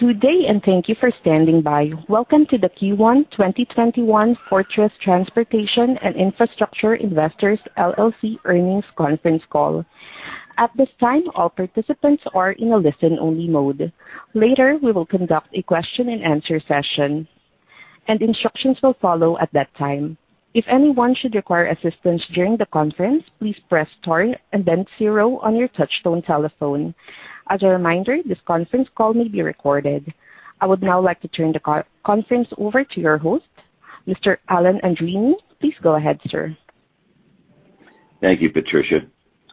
Good day, and thank you for standing by. Welcome to the Q1 2021 Fortress Transportation and Infrastructure Investors LLC Earnings Conference Call. At this time, all participants are in a listen-only mode. Later, we will conduct a question-and-answer session, and instructions will follow at that time. If anyone should require assistance during the conference, please press star and then zero on your touch-tone telephone. As a reminder, this conference call may be recorded. I would now like to turn the conference over to your host, Mr. Alan Andreini. Please go ahead, sir. Thank you, Patricia.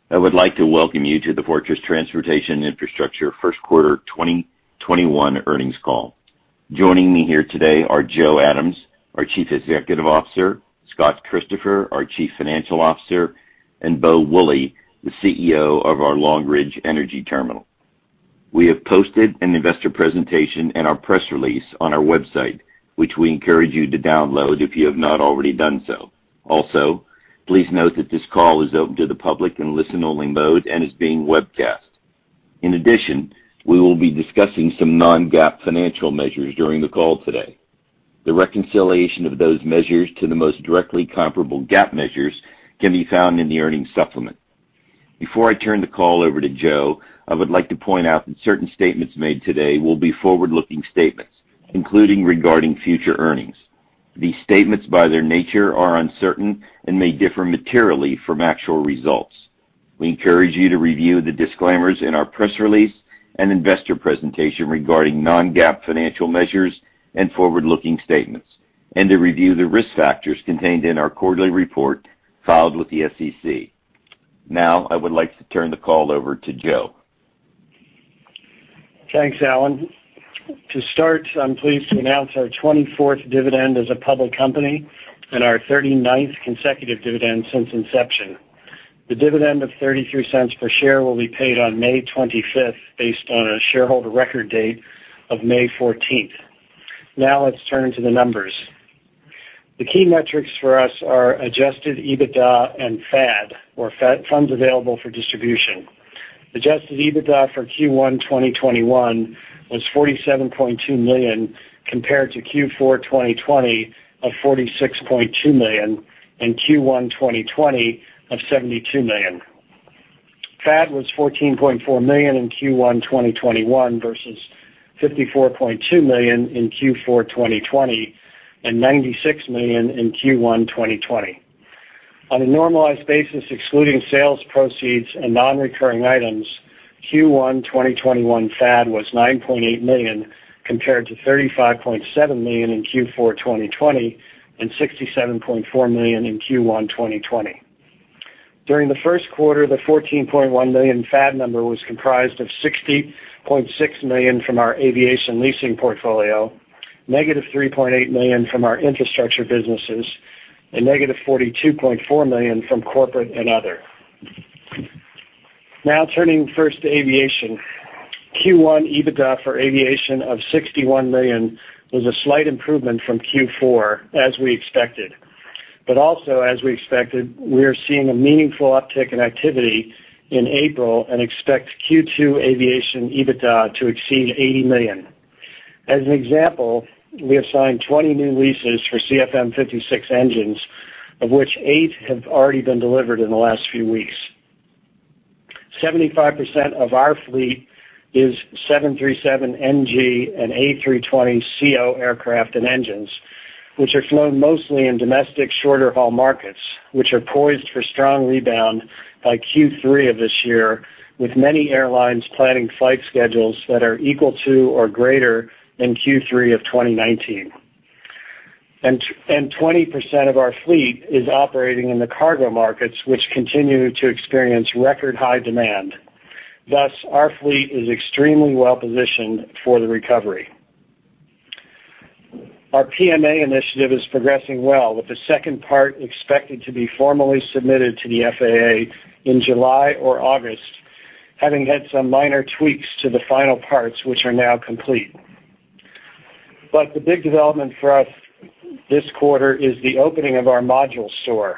I would like to welcome you to the Fortress Transportation and Infrastructure First Quarter 2021 Earnings Call. Joining me here today are Joe Adams, our Chief Executive Officer, Scott Christopher, our Chief Financial Officer, and Bo Woolley, the CEO of our Long Ridge Energy Terminal. We have posted an investor presentation and our press release on our website, which we encourage you to download if you have not already done so. Also, please note that this call is open to the public in a listen-only mode and is being webcast. In addition, we will be discussing some non-GAAP financial measures during the call today. The reconciliation of those measures to the most directly comparable GAAP measures can be found in the earnings supplement. Before I turn the call over to Joe, I would like to point out that certain statements made today will be forward-looking statements, including regarding future earnings. These statements, by their nature, are uncertain and may differ materially from actual results. We encourage you to review the disclaimers in our press release and investor presentation regarding non-GAAP financial measures and forward-looking statements, and to review the risk factors contained in our quarterly report filed with the SEC. Now, I would like to turn the call over to Joe. Thanks, Alan. To start, I'm pleased to announce our 24th dividend as a public company and our 39th consecutive dividend since inception. The dividend of $0.33 per share will be paid on May 25th based on a shareholder record date of May 14th. Now, let's turn to the numbers. The key metrics for us are Adjusted EBITDA and FAD, or Funds Available for Distribution. Adjusted EBITDA for Q1 2021 was $47.2 million compared to Q4 2020 of $46.2 million and Q1 2020 of $72 million. FAD was $14.4 million in Q1 2021 versus $54.2 million in Q4 2020 and $96 million in Q1 2020. On a normalized basis, excluding sales proceeds and non-recurring items, Q1 2021 FAD was $9.8 million compared to $35.7 million in Q4 2020 and $67.4 million in Q1 2020. During the first quarter, the $14.1 million FAD number was comprised of $60.6 million from our aviation leasing portfolio, negative $3.8 million from our infrastructure businesses, negative $42.4 million from corporate and other. Now, turning first to aviation, Q1 EBITDA for aviation of $61 million was a slight improvement from Q4, as we expected. But also, as we expected, we are seeing a meaningful uptick in activity in April and expect Q2 aviation EBITDA to exceed $80 million. As an example, we assigned 20 new leases for CFM56 engines, of which eight have already been delivered in the last few weeks. 75% of our fleet is 737NG and A320ceo aircraft and engines, which are flown mostly in domestic shorter-haul markets, which are poised for strong rebound by Q3 of this year, with many airlines planning flight schedules that are equal to or greater than Q3 of 2019. 20% of our fleet is operating in the cargo markets, which continue to experience record-high demand. Thus, our fleet is extremely well-positioned for the recovery. Our PMA initiative is progressing well, with the second part expected to be formally submitted to the FAA in July or August, having had some minor tweaks to the final parts, which are now complete. The big development for us this quarter is the opening of our module shop.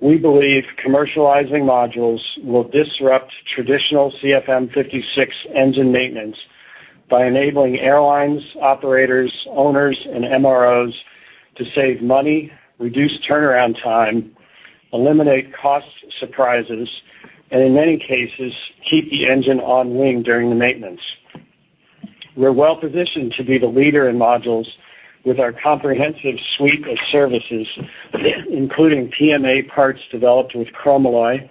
We believe commercializing modules will disrupt traditional CFM56 engine maintenance by enabling airlines, operators, owners, and MROs to save money, reduce turnaround time, eliminate cost surprises, and, in many cases, keep the engine on wing during the maintenance. We're well-positioned to be the leader in modules with our comprehensive suite of services, including PMA parts developed with Chromalloy,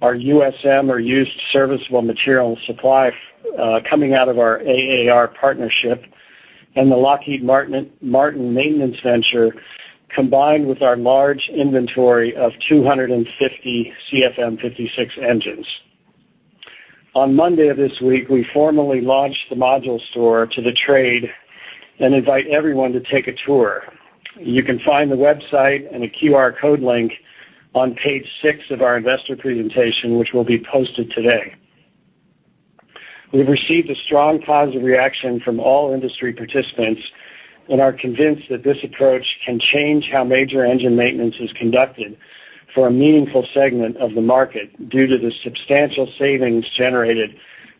our USM or Used Serviceable Material Supply coming out of our AAR partnership, and the Lockheed Martin Maintenance Venture, combined with our large inventory of V2500 CFM56 engines. On Monday of this week, we formally launched the module store to the trade and invite everyone to take a tour. You can find the website and a QR code link on page 6 of our investor presentation, which will be posted today. We've received a strong positive reaction from all industry participants and are convinced that this approach can change how major engine maintenance is conducted for a meaningful segment of the market due to the substantial savings generated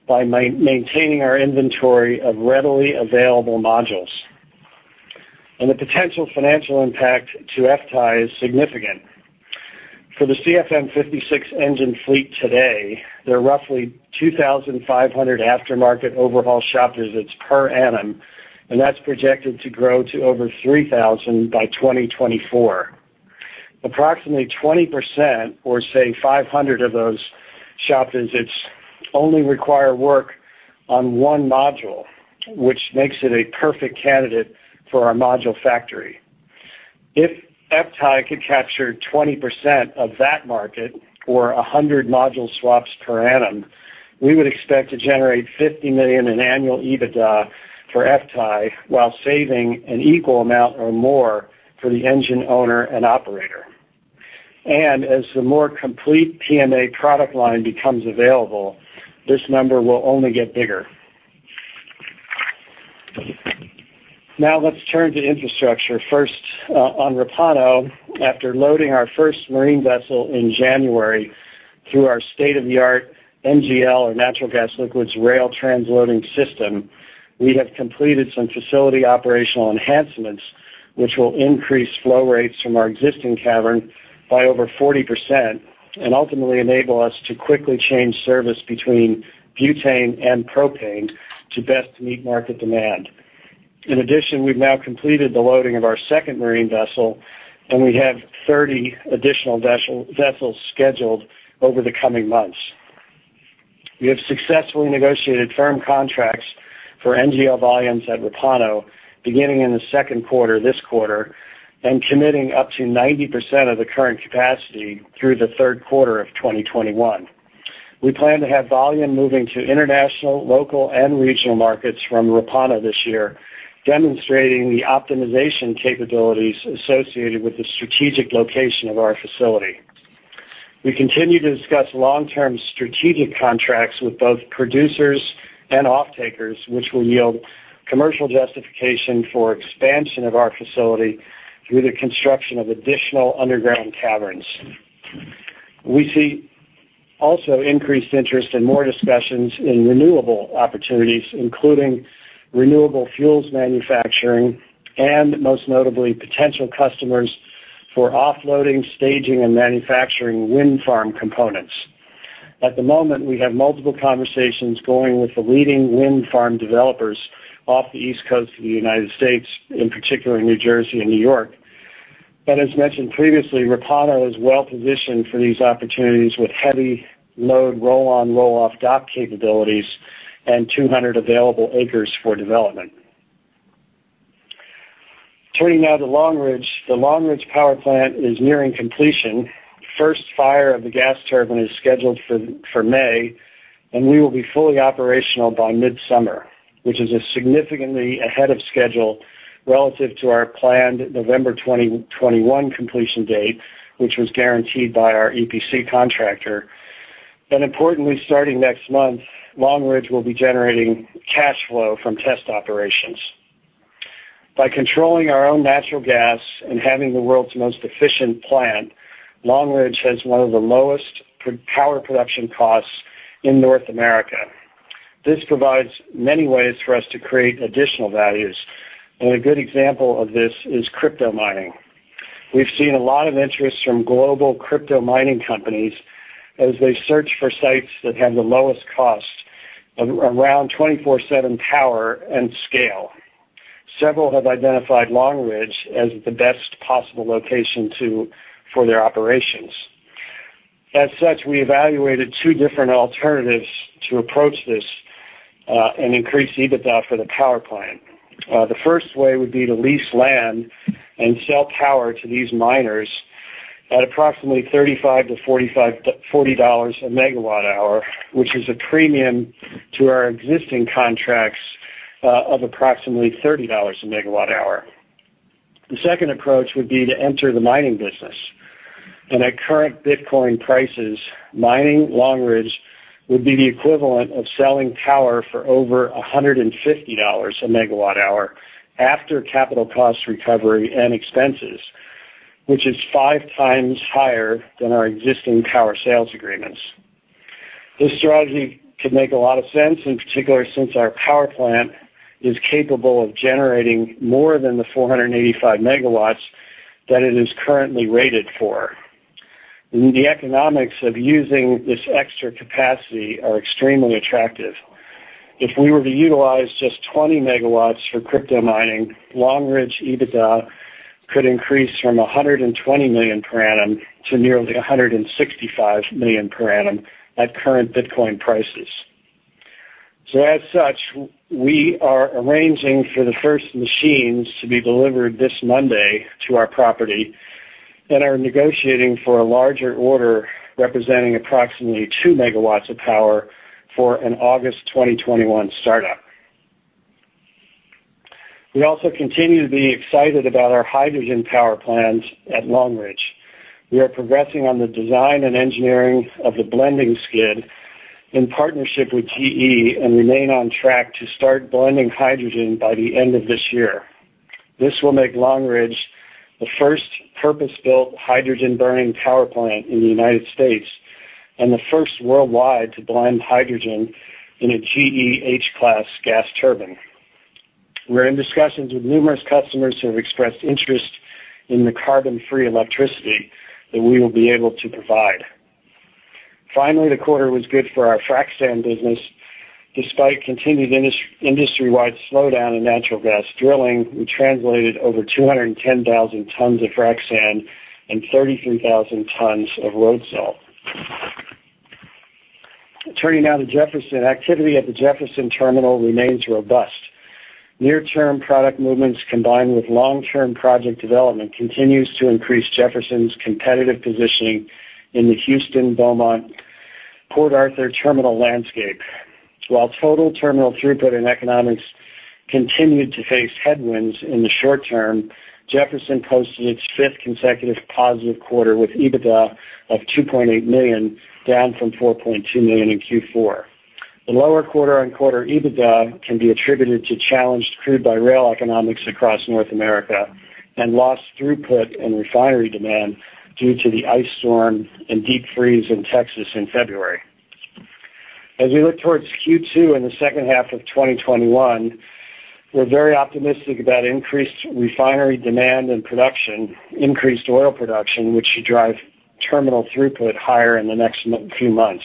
by maintaining our inventory of readily available modules, and the potential financial impact to FTAI is significant. For the CFM56 engine fleet today, there are roughly 2,500 aftermarket overhaul shop visits per annum, and that's projected to grow to over 3,000 by 2024. Approximately 20%, or say 500 of those shop visits, only require work on one module, which makes it a perfect candidate for our module factory. If FTAI could capture 20% of that market, or 100 module swaps per annum, we would expect to generate $50 million in annual EBITDA for FTAI while saving an equal amount or more for the engine owner and operator, and as the more complete PMA product line becomes available, this number will only get bigger. Now, let's turn to infrastructure. First, on Repauno, after loading our first marine vessel in January through our state-of-the-art NGL, or natural gas liquids, rail transloading system, we have completed some facility operational enhancements, which will increase flow rates from our existing cavern by over 40% and ultimately enable us to quickly change service between butane and propane to best meet market demand. In addition, we've now completed the loading of our second marine vessel, and we have 30 additional vessels scheduled over the coming months. We have successfully negotiated firm contracts for NGL volumes at Repauno beginning in the second quarter this quarter and committing up to 90% of the current capacity through the third quarter of 2021. We plan to have volume moving to international, local, and regional markets from Repauno this year, demonstrating the optimization capabilities associated with the strategic location of our facility. We continue to discuss long-term strategic contracts with both producers and off-takers, which will yield commercial justification for expansion of our facility through the construction of additional underground caverns. We see also increased interest in more discussions in renewable opportunities, including renewable fuels manufacturing and, most notably, potential customers for offloading, staging, and manufacturing wind farm components. At the moment, we have multiple conversations going with the leading wind farm developers off the East Coast of the United States, in particular, New Jersey and New York, but as mentioned previously, Repauno is well-positioned for these opportunities with heavy load roll-on, roll-off dock capabilities and 200 available acres for development. Turning now to Long Ridge, the Long Ridge Power Plant is nearing completion. First fire of the gas turbine is scheduled for May, and we will be fully operational by mid-summer, which is significantly ahead of schedule relative to our planned November 2021 completion date, which was guaranteed by our EPC contractor, and importantly, starting next month, Long Ridge will be generating cash flow from test operations. By controlling our own natural gas and having the world's most efficient plant, Long Ridge has one of the lowest power production costs in North America. This provides many ways for us to create additional values, and a good example of this is crypto mining. We've seen a lot of interest from global crypto mining companies as they search for sites that have the lowest cost, around 24/7 power and scale. Several have identified Long Ridge as the best possible location for their operations. As such, we evaluated two different alternatives to approach this and increase EBITDA for the power plant. The first way would be to lease land and sell power to these miners at approximately $35-$40 a MWh, which is a premium to our existing contracts of approximately $30 a MWh. The second approach would be to enter the mining business, and at current Bitcoin prices, mining Long Ridge would be the equivalent of selling power for over $150 a MWh after capital cost recovery and expenses, Which is five times higher than our existing power sales agreements. This strategy could make a lot of sense, in particular, since our power plant is capable of generating more than the 485 MW that it is currently rated for. The economics of using this extra capacity are extremely attractive. If we were to utilize just 20 megawatts for crypto mining, Long Ridge EBITDA could increase from $120 million per annum to nearly $165 million per annum at current Bitcoin prices. So as such, we are arranging for the first machines to be delivered this Monday to our property, and are negotiating for a larger order representing approximately 2 MW of power for an August 2021 startup. We also continue to be excited about our hydrogen power plants at Long Ridge. We are progressing on the design and engineering of the blending skid in partnership with GE and remain on track to start blending hydrogen by the end of this year. This will make Long Ridge the first purpose-built hydrogen-burning power plant in the United States and the first worldwide to blend hydrogen in a GE H-class gas turbine. We're in discussions with numerous customers who have expressed interest in the carbon-free electricity that we will be able to provide. Finally, the quarter was good for our frac sand business. Despite continued industry-wide slowdown in natural gas drilling, we transported over 210,000 tons of frac sand and 33,000 tons of road salt. Turning now to Jefferson, activity at the Jefferson terminal remains robust. Near-term product movements combined with long-term project development continue to increase Jefferson's competitive positioning in the Houston, Beaumont, Port Arthur terminal landscape. While total terminal throughput and economics continued to face headwinds in the short term, Jefferson posted its fifth consecutive positive quarter with EBITDA of $2.8 million, down from $4.2 million in Q4. The lower quarter-on-quarter EBITDA can be attributed to challenged crude by rail economics across North America and lost throughput and refinery demand due to the ice storm and deep freeze in Texas in February. As we look towards Q2 in the second half of 2021, we're very optimistic about increased refinery demand and production, increased oil production, which should drive terminal throughput higher in the next few months.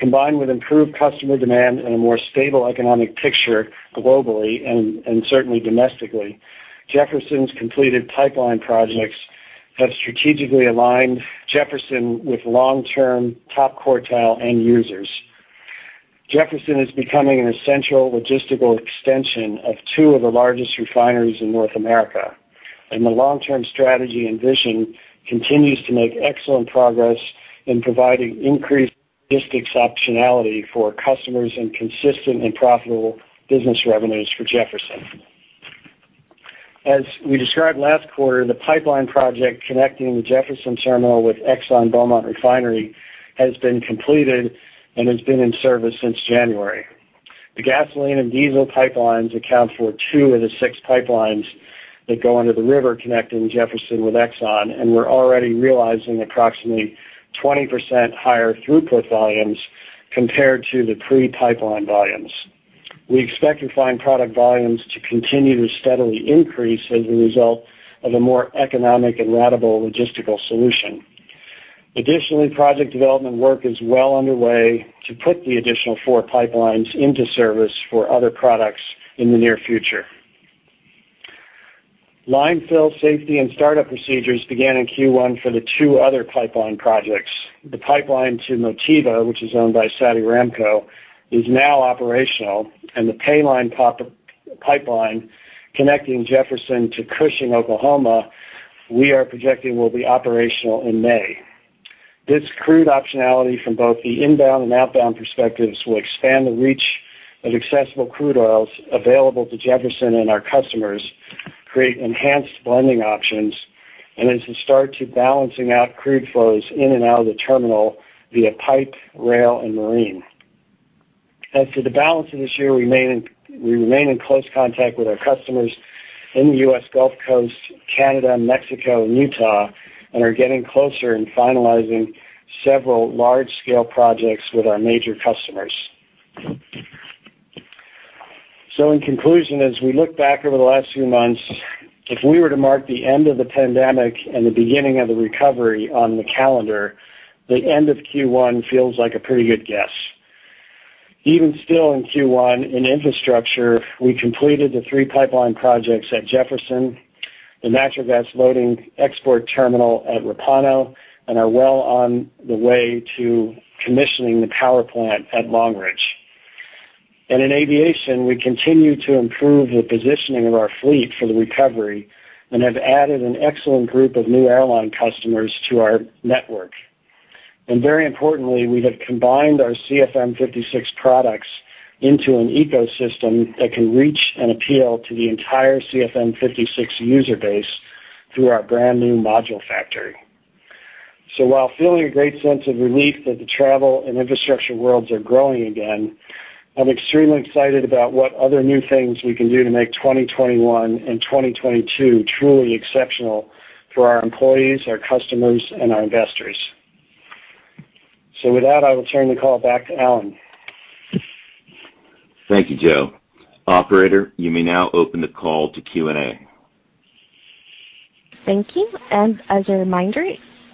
Combined with improved customer demand and a more stable economic picture globally and certainly domestically, Jefferson's completed pipeline projects have strategically aligned Jefferson with long-term top quartile end users. Jefferson is becoming an essential logistical extension of two of the largest refineries in North America, and the long-term strategy and vision continues to make excellent progress in providing increased logistics optionality for customers and consistent and profitable business revenues for Jefferson. As we described last quarter, the pipeline project connecting the Jefferson terminal with Exxon Beaumont Refinery has been completed and has been in service since January. The gasoline and diesel pipelines account for two of the six pipelines that go under the river connecting Jefferson with Exxon, and we're already realizing approximately 20% higher throughput volumes compared to the pre-pipeline volumes. We expect refined product volumes to continue to steadily increase as a result of a more economic and ratable logistical solution. Additionally, project development work is well underway to put the additional four pipelines into service for other products in the near future. Line fill safety and startup procedures began in Q1 for the two other pipeline projects. The pipeline to Motiva, which is owned by Saudi Aramco, is now operational, and the Paline Pipeline connecting Jefferson to Cushing, Oklahoma, we are projecting, will be operational in May. This crude optionality from both the inbound and outbound perspectives will expand the reach of accessible crude oils available to Jefferson and our customers, create enhanced blending options, and is the start to balancing out crude flows in and out of the terminal via pipe, rail, and marine. As to the balance of this year, we remain in close contact with our customers in the U.S. Gulf Coast, Canada, Mexico, and Utah, and are getting closer in finalizing several large-scale projects with our major customers. So in conclusion, as we look back over the last few months, if we were to mark the end of the pandemic and the beginning of the recovery on the calendar, the end of Q1 feels like a pretty good guess. Even still in Q1, in infrastructure, we completed the three pipeline projects at Jefferson, the natural gas loading export terminal at Repauno, and are well on the way to commissioning the power plant at Long Ridge. And in aviation, we continue to improve the positioning of our fleet for the recovery and have added an excellent group of new airline customers to our network. And very importantly, we have combined our CFM56 products into an ecosystem that can reach and appeal to the entire CFM56 user base through our brand new module factory. So while feeling a great sense of relief that the travel and infrastructure worlds are growing again, I'm extremely excited about what other new things we can do to make 2021 and 2022 truly exceptional for our employees, our customers, and our investors. So with that, I will turn the call back to Alan. Thank you, Joe. Operator, you may now open the call to Q&A. Thank you. And as a reminder,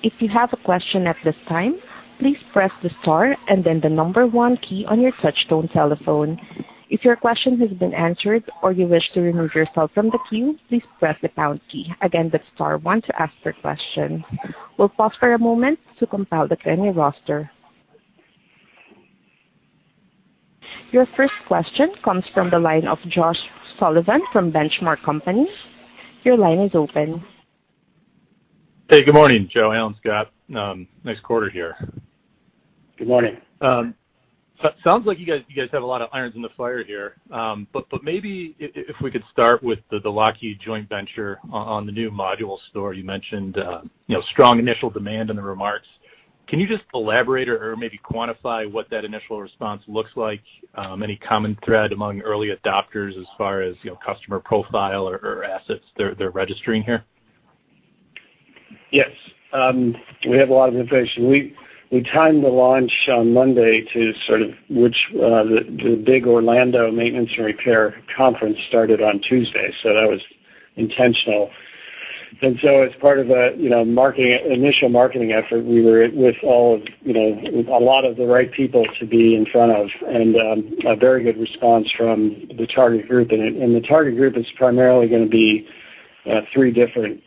if you have a question at this time, please press the star and then the number one key on your touch-tone telephone. If your question has been answered or you wish to remove yourself from the queue, please press the pound key. Again, that's star one to ask your question. We'll pause for a moment to compile the Q&A roster. Your first question comes from the line of Josh Sullivan from The Benchmark Company. Your line is open. Hey, good morning, Joe, Alan, Scott. Nice quarter here. Good morning. Sounds like you guys have a lot of irons in the fire here. But maybe if we could start with the Lockheed Martin joint venture on the new module shop, you mentioned strong initial demand in the remarks. Can you just elaborate or maybe quantify what that initial response looks like? Any common thread among early adopters as far as customer profile or assets they're registering here? Yes. We have a lot of information. We timed the launch on Monday to coincide with the big Orlando maintenance and repair conference that started on Tuesday. So that was intentional. And so as part of the initial marketing effort, we were with a lot of the right people to be in front of and a very good response from the target group. And the target group is primarily going to be three different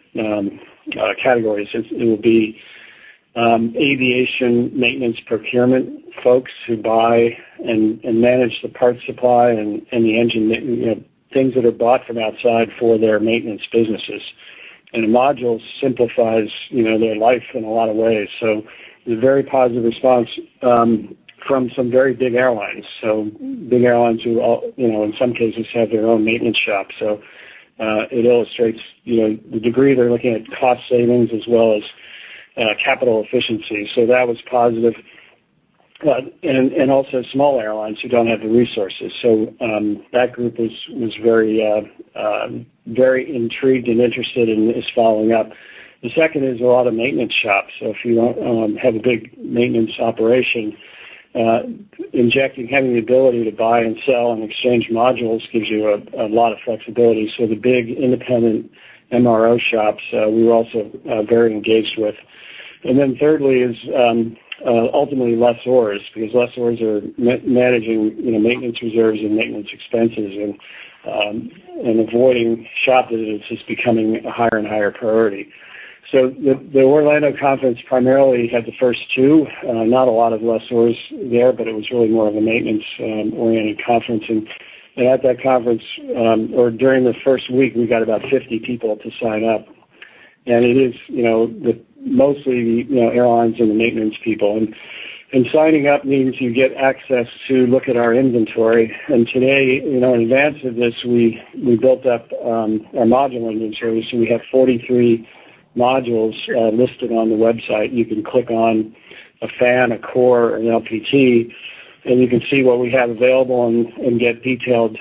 categories. It will be aviation maintenance procurement folks who buy and manage the parts supply and the engine things that are bought from outside for their maintenance businesses. And a module simplifies their life in a lot of ways. So it was a very positive response from some very big airlines. So big airlines who in some cases have their own maintenance shop. So it illustrates the degree they're looking at cost savings as well as capital efficiency. So that was positive. And also small airlines who don't have the resources. So that group was very intrigued and interested and is following up. The second is a lot of maintenance shops. So if you have a big maintenance operation, having the ability to buy and sell and exchange modules gives you a lot of flexibility. So the big independent MRO shops, we were also very engaged with. And then thirdly is ultimately lessors because lessors are managing maintenance reserves and maintenance expenses and avoiding shop visits is becoming a higher and higher priority. So the Orlando conference primarily had the first two. Not a lot of lessors there, but it was really more of a maintenance-oriented conference. At that conference or during the first week, we got about 50 people to sign up. It is mostly airlines and the maintenance people. Signing up means you get access to look at our inventory. Today, in advance of this, we built up our module inventory. We have 43 modules listed on the website. You can click on a fan, a core, or an LPT, and you can see what we have available and get detailed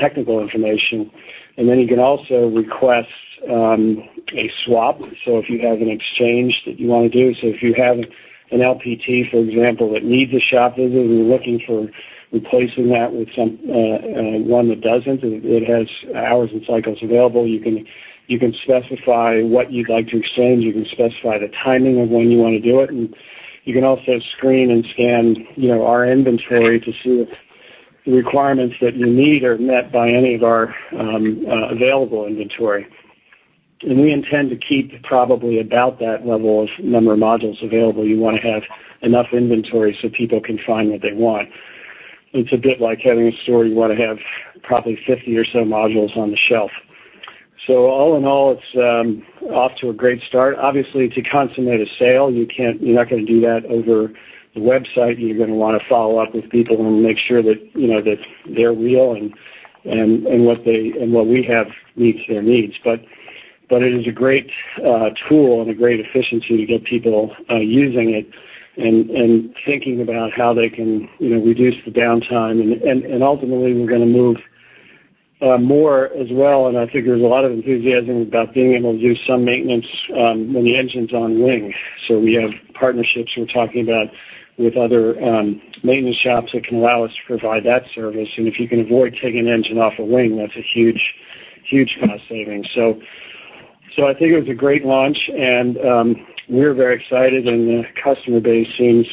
technical information. Then you can also request a swap. If you have an exchange that you want to do, if you have an LPT, for example, that needs a shop visit and you're looking for replacing that with one that doesn't, it has hours and cycles available. You can specify what you'd like to exchange. You can specify the timing of when you want to do it. And you can also screen and scan our inventory to see if the requirements that you need are met by any of our available inventory. And we intend to keep probably about that level of number of modules available. You want to have enough inventory so people can find what they want. It's a bit like having a store. You want to have probably 50 or so modules on the shelf. So all in all, it's off to a great start. Obviously, to consummate a sale, you're not going to do that over the website. You're going to want to follow up with people and make sure that they're real and what we have meets their needs. But it is a great tool and a great efficiency to get people using it and thinking about how they can reduce the downtime. And ultimately, we're going to move more as well. And I think there's a lot of enthusiasm about being able to do some maintenance when the engine's on wing. So we have partnerships we're talking about with other maintenance shops that can allow us to provide that service. And if you can avoid taking an engine off a wing, that's a huge cost savings. So I think it was a great launch, and we're very excited, and the customer base seems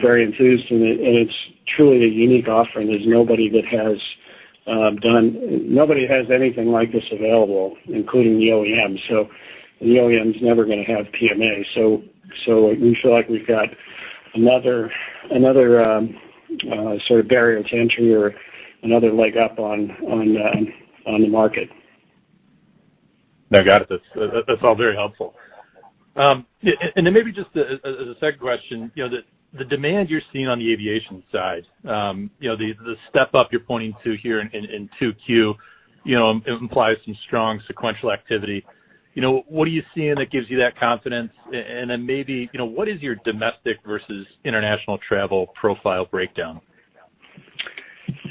very enthused. And it's truly a unique offering. There's nobody that has anything like this available, including the OEM. So the OEM's never going to have PMA. So we feel like we've got another sort of barrier to entry or another leg up on the market. I got it. That's all very helpful, and then maybe just as a second question, the demand you're seeing on the aviation side, the step up you're pointing to here in Q2, it implies some strong sequential activity. What are you seeing that gives you that confidence, and then maybe what is your domestic versus international travel profile breakdown?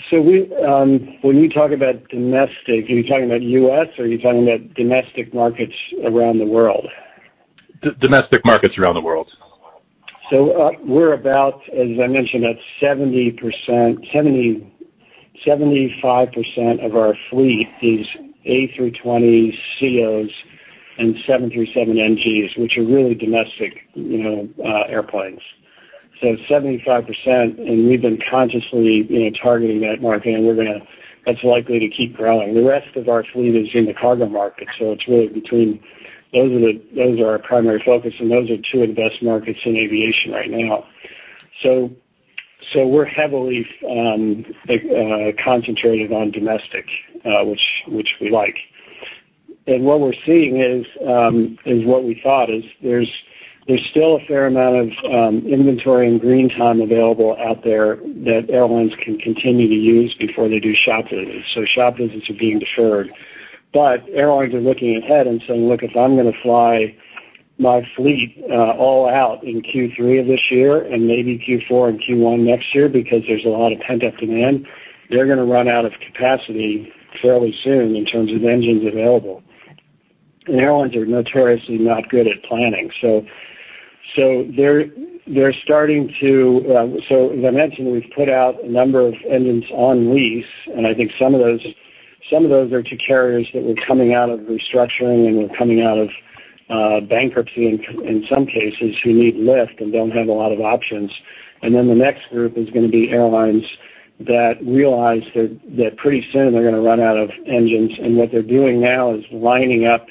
So when you talk about domestic, are you talking about U.S. or are you talking about domestic markets around the world? Domestic markets around the world. So we're about, as I mentioned, at 70%-75% of our fleet is A320s, COs, and 737NGs, which are really domestic airplanes. So 75%, and we've been consciously targeting that market, and we're going to, that's likely to keep growing. The rest of our fleet is in the cargo market, so it's really between those, are our primary focus, and those are two of the best markets in aviation right now. So we're heavily concentrated on domestic, which we like. And what we're seeing is what we thought is, there's still a fair amount of inventory and green time available out there that airlines can continue to use before they do shop visits. So shop visits are being deferred. But airlines are looking ahead and saying, "Look, if I'm going to fly my fleet all out in Q3 of this year and maybe Q4 and Q1 next year because there's a lot of pent-up demand, they're going to run out of capacity fairly soon in terms of engines available." And airlines are notoriously not good at planning. So they're starting to, as I mentioned, we've put out a number of engines on lease, And I think some of those are to carriers that were coming out of restructuring and were coming out of bankruptcy in some cases who need lift and don't have a lot of options. And then the next group is going to be airlines that realize that pretty soon they're going to run out of engines. And what they're doing now is lining up.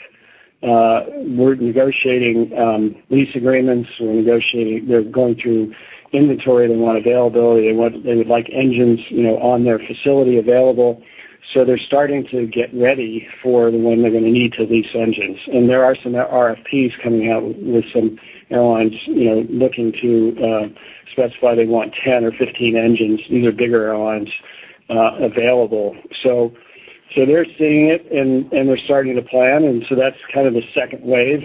We're negotiating lease agreements. They're going through inventory. They want availability. They would like engines on their facility available. So they're starting to get ready for when they're going to need to lease engines. And there are some RFPs coming out with some airlines looking to specify they want 10 or 15 engines, these are bigger airlines, available. So they're seeing it, and they're starting to plan. And so that's kind of the second wave.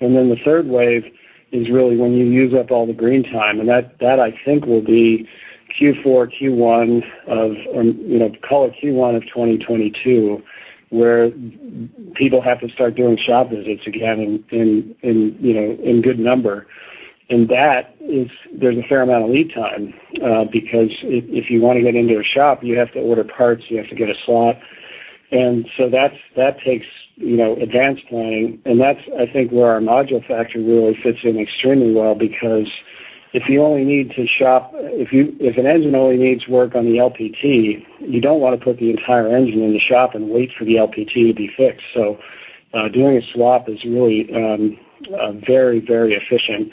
And then the third wave is really when you use up all the green time. And that, I think, will be Q4, Q1 of or call it Q1 of 2022, where people have to start doing shop visits again in good number. And there's a fair amount of lead time because if you want to get into a shop, you have to order parts. You have to get a slot. And so that takes advanced planning. That's, I think, where our module factory really fits in extremely well because if you only need to shop if an engine only needs work on the LPT, you don't want to put the entire engine in the shop and wait for the LPT to be fixed. So doing a swap is really very, very efficient.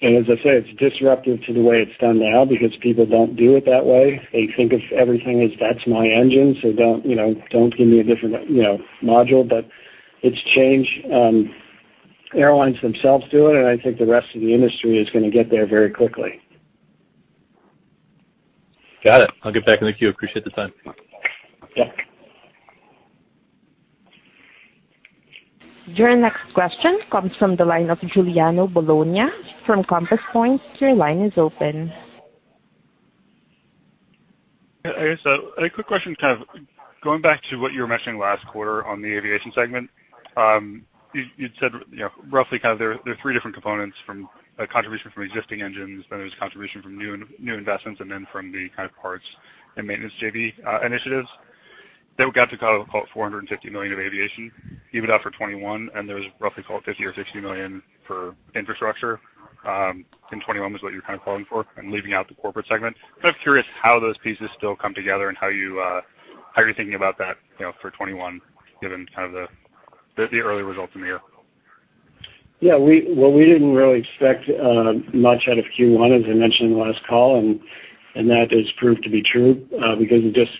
It's disruptive to the way it's done now because people don't do it that way. They think of everything as, "That's my engine, so don't give me a different module." But it's changed. Airlines themselves do it, and I think the rest of the industry is going to get there very quickly. Got it. I'll get back in the queue. Appreciate the time. Yeah. Your next question comes from the line of Giuliano Bologna from Compass Point. Your line is open. I guess a quick question kind of going back to what you were mentioning last quarter on the aviation segment. You'd said roughly kind of there are three different components from a contribution from existing engines. Then there's contribution from new investments and then from the kind of parts and maintenance JV initiatives. You've got to call it $450 million of aviation you would have for 2021, and there was roughly $50 million or $60 million for infrastructure. And 2021 was what you're kind of calling for and leaving out the corporate segment. Kind of curious how those pieces still come together and how you're thinking about that for 2021, given kind of the early results in the year. Yeah. Well, we didn't really expect much out of Q1, as I mentioned in the last call. And that has proved to be true because just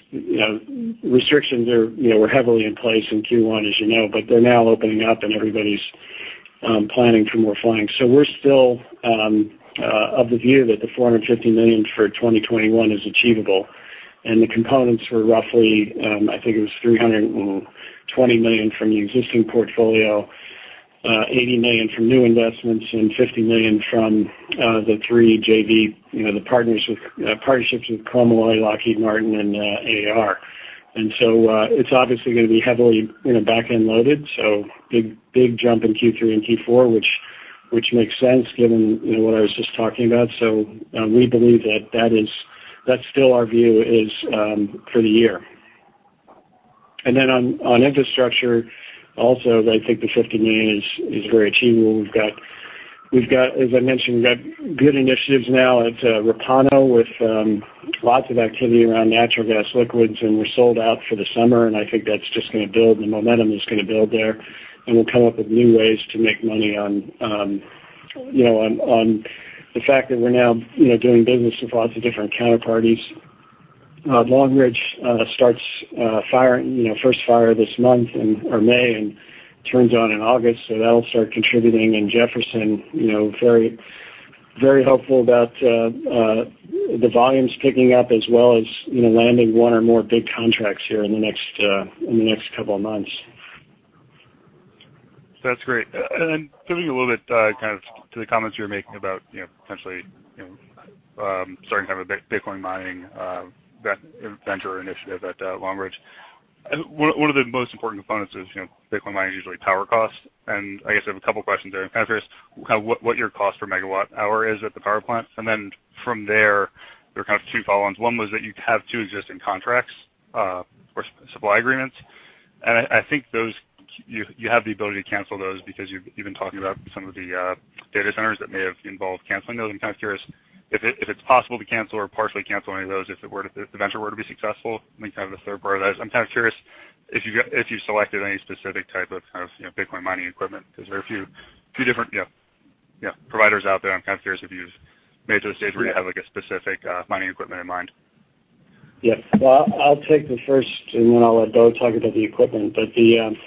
restrictions were heavily in place in Q1, as you know, but they're now opening up and everybody's planning for more flying. So we're still of the view that the $450 million for 2021 is achievable. And the components were roughly, I think it was $320 million from the existing portfolio, $80 million from new investments, and $50 million from the three JV, the partnerships with Chromalloy, Lockheed Martin, and AAR. And so it's obviously going to be heavily back-end loaded. So big jump in Q3 and Q4, which makes sense given what I was just talking about. So we believe that that is that's still our view for the year. And then on infrastructure, also, I think the $50 million is very achievable. We've got, as I mentioned, we've got good initiatives now at Repauno with lots of activity around natural gas liquids, and we're sold out for the summer, and I think that's just going to build. The momentum is going to build there, and we'll come up with new ways to make money on the fact that we're now doing business with lots of different counterparties. Long Ridge starts firing first fire this month or May and turns on in August, so that'll start contributing, and Jefferson, very hopeful about the volumes picking up as well as landing one or more big contracts here in the next couple of months. That's great. And then, moving a little bit kind of to the comments you were making about potentially starting to have a Bitcoin mining venture initiative at Long Ridge. One of the most important components of Bitcoin mining is usually power costs. And I guess I have a couple of questions there. Kind of first, kind of what your cost per megawatt hour is at the power plant. And then from there, there are kind of two follow-ons. One was that you have two existing contracts or supply agreements. And I think you have the ability to cancel those because you've been talking about some of the data centers that may have involved canceling those. I'm kind of curious if it's possible to cancel or partially cancel any of those if the venture were to be successful. And then kind of the third part of that is I'm kind of curious if you've selected any specific type of kind of Bitcoin mining equipment because there are a few different providers out there. I'm kind of curious if you've made it to the stage where you have a specific mining equipment in mind. Yep. Well, I'll take the first, and then I'll let Bo talk about the equipment. But in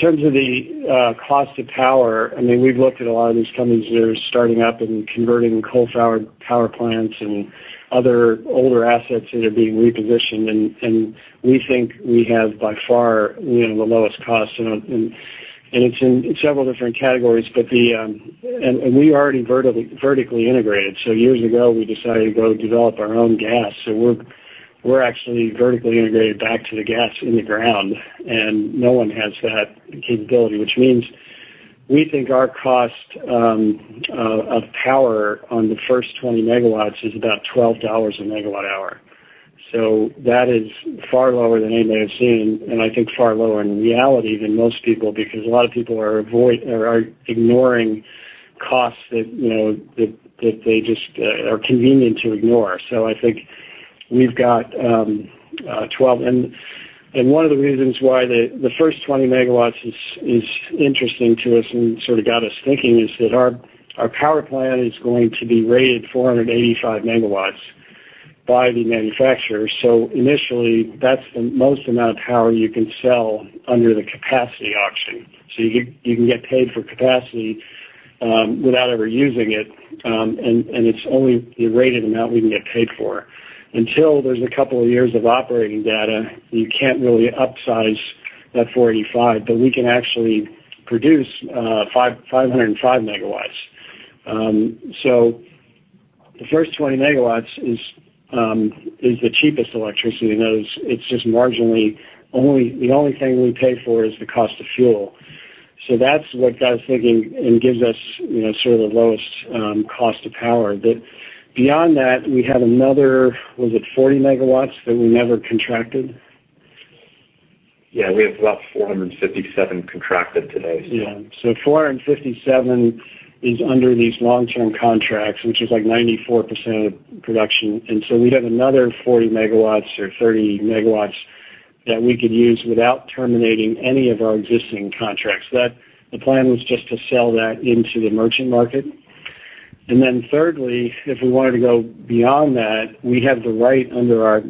terms of the cost of power, I mean, we've looked at a lot of these companies that are starting up and converting coal-powered power plants and other older assets that are being repositioned. And we think we have by far the lowest cost. And it's in several different categories. And we are already vertically integrated. So years ago, we decided to go develop our own gas. So we're actually vertically integrated back to the gas in the ground. And no one has that capability, which means we think our cost of power on the first 20 megawatts is about $12 a megawatt hour. So that is far lower than anything I've seen. I think far lower in reality than most people because a lot of people are ignoring costs that they just are convenient to ignore. So I think we've got 12. One of the reasons why the first 20 megawatts is interesting to us and sort of got us thinking is that our power plant is going to be rated 485 megawatts by the manufacturer. Initially, that's the most amount of power you can sell under the capacity auction. You can get paid for capacity without ever using it. It's only the rated amount we can get paid for. Until there's a couple of years of operating data, you can't really upsize that 485, but we can actually produce 505 megawatts. The first 20 megawatts is the cheapest electricity. It's just marginally only the only thing we pay for is the cost of fuel. So that's what got us thinking and gives us sort of the lowest cost of power. But beyond that, we have another, was it 40 megawatts that we never contracted? Yeah. We have about 457 contracted today, so. Yeah, so 457 is under these long-term contracts, which is like 94% of the production, and so we have another 40 megawatts or 30 megawatts that we could use without terminating any of our existing contracts. The plan was just to sell that into the merchant market. And then thirdly, if we wanted to go beyond that, we have the right under our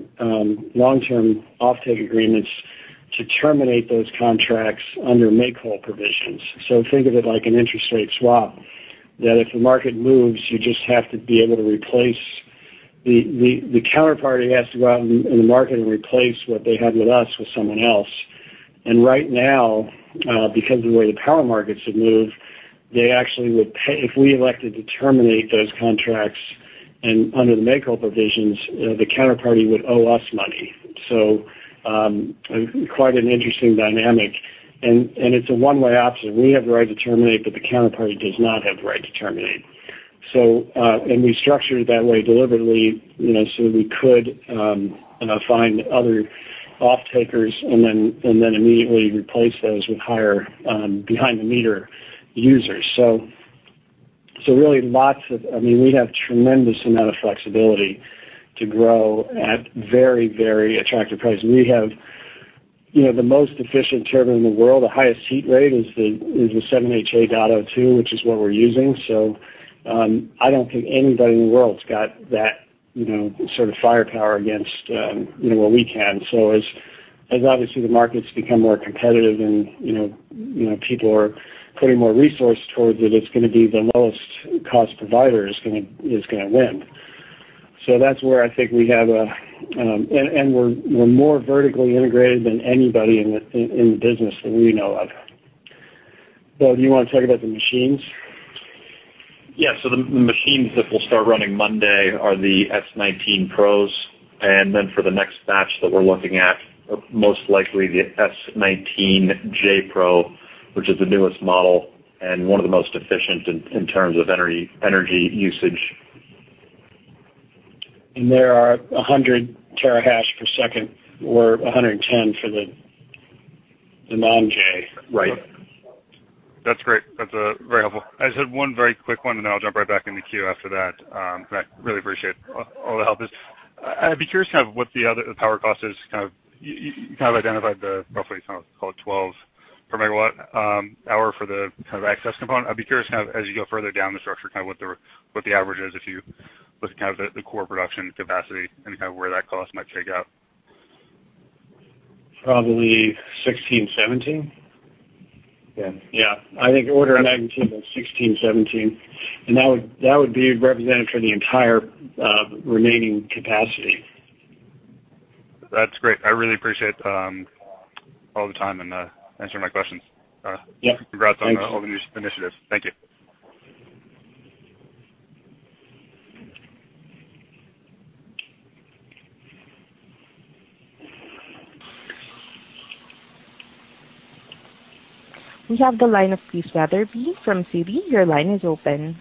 long-term offtake agreements to terminate those contracts under make-whole provisions. So think of it like an interest rate swap that if the market moves, you just have to be able to replace. The counterparty has to go out in the market and replace what they had with us with someone else. And right now, because of the way the power markets have moved, they actually would pay if we elected to terminate those contracts and under the make-whole provisions, the counterparty would owe us money. So quite an interesting dynamic. And it's a one-way option. We have the right to terminate, but the counterparty does not have the right to terminate. And we structured it that way deliberately so that we could find other offtakers and then immediately replace those with higher behind-the-meter users. So really lots of. I mean, we have a tremendous amount of flexibility to grow at very, very attractive prices. We have the most efficient turbine in the world. The highest heat rate is the 7HA.02, which is what we're using. So I don't think anybody in the world's got that sort of firepower against what we can. So as obviously the markets become more competitive and people are putting more resources towards it, it's going to be the lowest-cost provider is going to win. So that's where I think we have, and we're more vertically integrated than anybody in the business that we know of. Bo, do you want to talk about the machines? Yeah. So the machines that we'll start running Monday are the S19 Pros. And then for the next batch that we're looking at, most likely the S19j Pro, which is the newest model and one of the most efficient in terms of energy usage. They are 100 terahash per second or 110 for the non-J. Right. That's great. That's very helpful. I just had one very quick one, and then I'll jump right back in the queue after that. I really appreciate all the help. I'd be curious kind of what the power cost is. You kind of identified the roughly kind of call it 12 per megawatt hour for the kind of access component. I'd be curious kind of as you go further down the structure, kind of what the average is if you look at kind of the core production capacity and kind of where that cost might take out. Probably 16, 17. Yeah. Yeah. I think order of magnitude like 16-17, and that would be representative for the entire remaining capacity. That's great. I really appreciate all the time and answering my questions. Yep. Congrats on all the new initiatives. Thank you. We have the line of Bruce Wetherbee from Citi. Your line is open.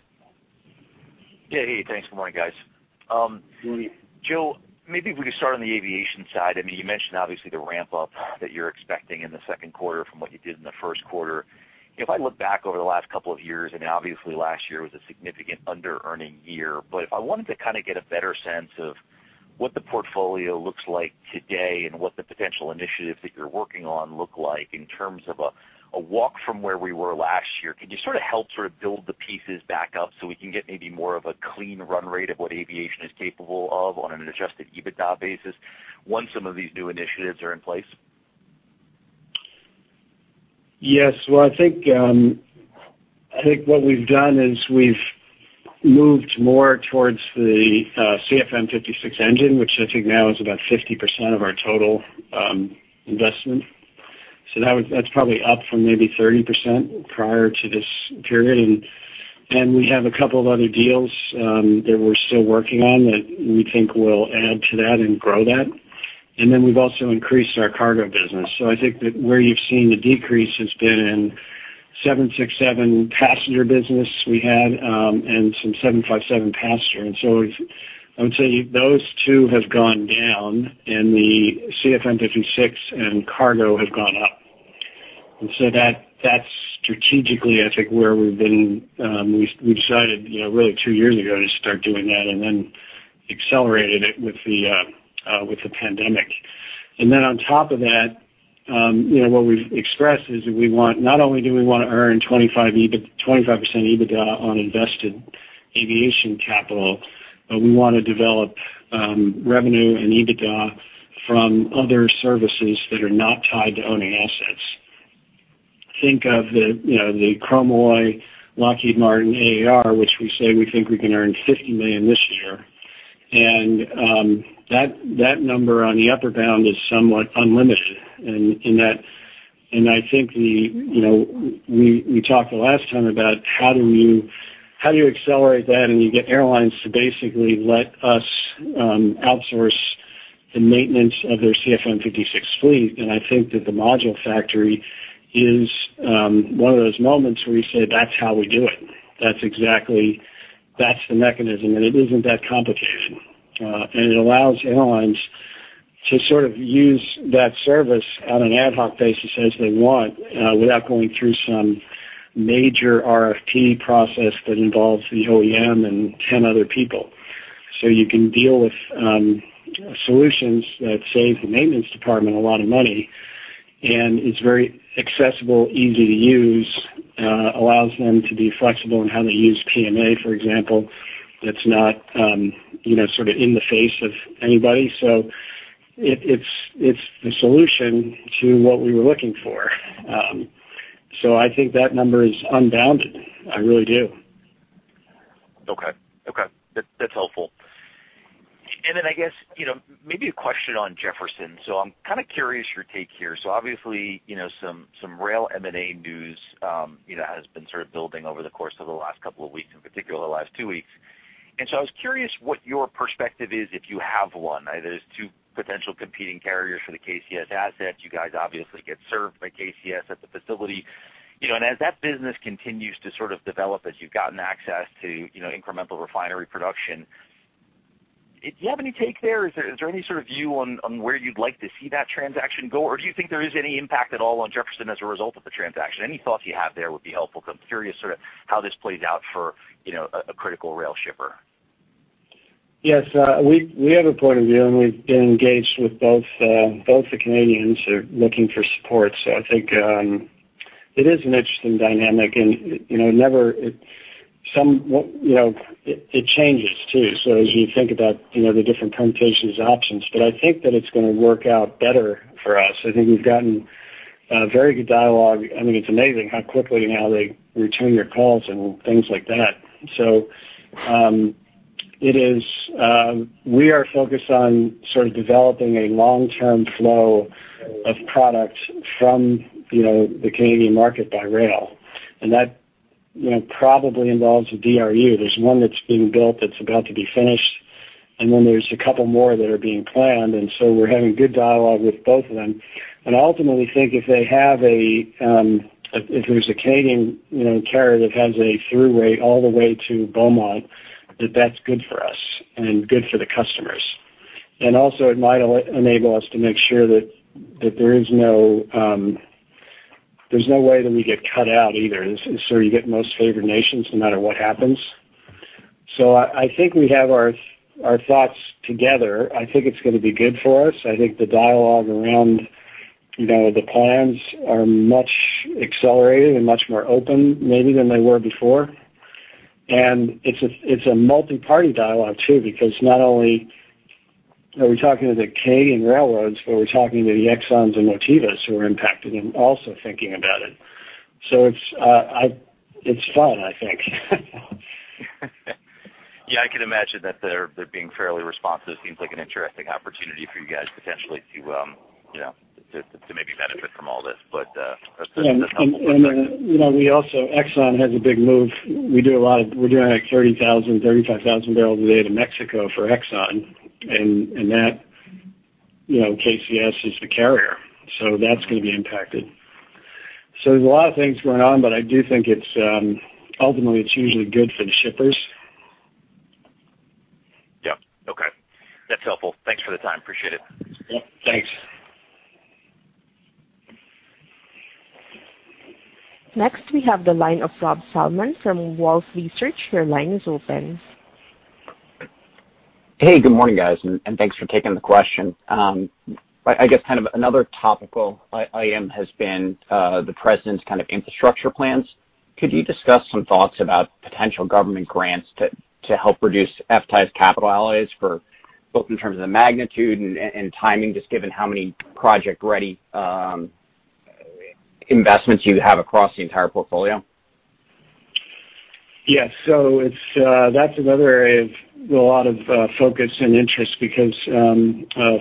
Hey, hey. Thanks for coming in, guys. Joe, maybe if we could start on the aviation side. I mean, you mentioned obviously the ramp-up that you're expecting in the second quarter from what you did in the first quarter. If I look back over the last couple of years, I mean, obviously last year was a significant under-earning year. But if I wanted to kind of get a better sense of what the portfolio looks like today and what the potential initiatives that you're working on look like in terms of a walk from where we were last year, could you sort of help sort of build the pieces back up so we can get maybe more of a clean run rate of what aviation is capable of on an Adjusted EBITDA basis once some of these new initiatives are in place? Yes. Well, I think what we've done is we've moved more towards the CFM56 engine, which I think now is about 50% of our total investment. So that's probably up from maybe 30% prior to this period. And we have a couple of other deals that we're still working on that we think will add to that and grow that. And then we've also increased our cargo business. So I think that where you've seen the decrease has been in 767 passenger business we had and some 757 passenger. And so I would say those two have gone down, and the CFM56 and cargo have gone up. And so that's strategically, I think, where we've been. We decided really two years ago to start doing that and then accelerated it with the pandemic. And then on top of that, what we've expressed is that we want not only do we want to earn 25% EBITDA on invested aviation capital, but we want to develop revenue and EBITDA from other services that are not tied to owning assets. Think of the Chromalloy, Lockheed Martin, AAR, which we say we think we can earn $50 million this year. And that number on the upper bound is somewhat unlimited. And I think we talked the last time about how do you accelerate that and you get airlines to basically let us outsource the maintenance of their CFM56 fleet. And I think that the Module Factory is one of those moments where you say, "That's how we do it." That's the mechanism, and it isn't that complicated. and it allows airlines to sort of use that service on an ad hoc basis as they want without going through some major RFP process that involves the OEM and 10 other people. so you can deal with solutions that save the maintenance department a lot of money and is very accessible, easy to use, allows them to be flexible in how they use PMA, for example, that's not sort of in the face of anybody. so it's the solution to what we were looking for. so I think that number is unbounded. I really do. Okay. Okay. That's helpful, and then I guess maybe a question on Jefferson, so I'm kind of curious your take here. So obviously some rail M&A news has been sort of building over the course of the last couple of weeks, in particular the last two weeks, and so I was curious what your perspective is if you have one. There's two potential competing carriers for the KCS assets. You guys obviously get served by KCS at the facility, and as that business continues to sort of develop as you've gotten access to incremental refinery production, Do you have any take there? Is there any sort of view on where you'd like to see that transaction go? Or do you think there is any impact at all on Jefferson as a result of the transaction? Any thoughts you have there would be helpful because I'm curious sort of how this plays out for a critical rail shipper. Yes. We have a point of view, and we've been engaged with both the Canadians who are looking for support. So I think it is an interesting dynamic, and it changes too, so as you think about the different permutations of options, but I think that it's going to work out better for us. I think we've gotten very good dialogue. I mean, it's amazing how quickly now they return your calls and things like that, so we are focused on sort of developing a long-term flow of product from the Canadian market by rail, and that probably involves a DRU. There's one that's being built that's about to be finished, and then there's a couple more that are being planned, and so we're having good dialogue with both of them. And I ultimately think if there's a Canadian carrier that has a throughway all the way to Beaumont, that that's good for us and good for the customers. And also, it might enable us to make sure that there is no way that we get cut out either. So you get most favored nations no matter what happens. So I think we have our thoughts together. I think it's going to be good for us. I think the dialogue around the plans are much accelerated and much more open maybe than they were before. And it's a multi-party dialogue too because not only are we talking to the Canadian railroads, but we're talking to the Exxons and Motivas who are impacted and also thinking about it. So it's fun, I think. Yeah. I can imagine that they're being fairly responsive. Seems like an interesting opportunity for you guys potentially to maybe benefit from all this. But that's helpful. And we also, Exxon has a big move. We do a lot of we're doing like 30,000-35,000 barrels a day to Mexico for Exxon. And that KCS is the carrier. So that's going to be impacted. So there's a lot of things going on, but I do think ultimately it's usually good for the shippers. Yep. Okay. That's helpful. Thanks for the time. Appreciate it. Yep. Thanks. Next, we have the line of Rob Salman from Wolfe Research. Your line is open. Hey, good morning, guys, and thanks for taking the question. I guess kind of another topical item has been the President's kind of infrastructure plans. Could you discuss some thoughts about potential government grants to help reduce FTAI's capital allocation for both in terms of the magnitude and timing, just given how many project-ready investments you have across the entire portfolio? Yes. So that's another area of a lot of focus and interest because,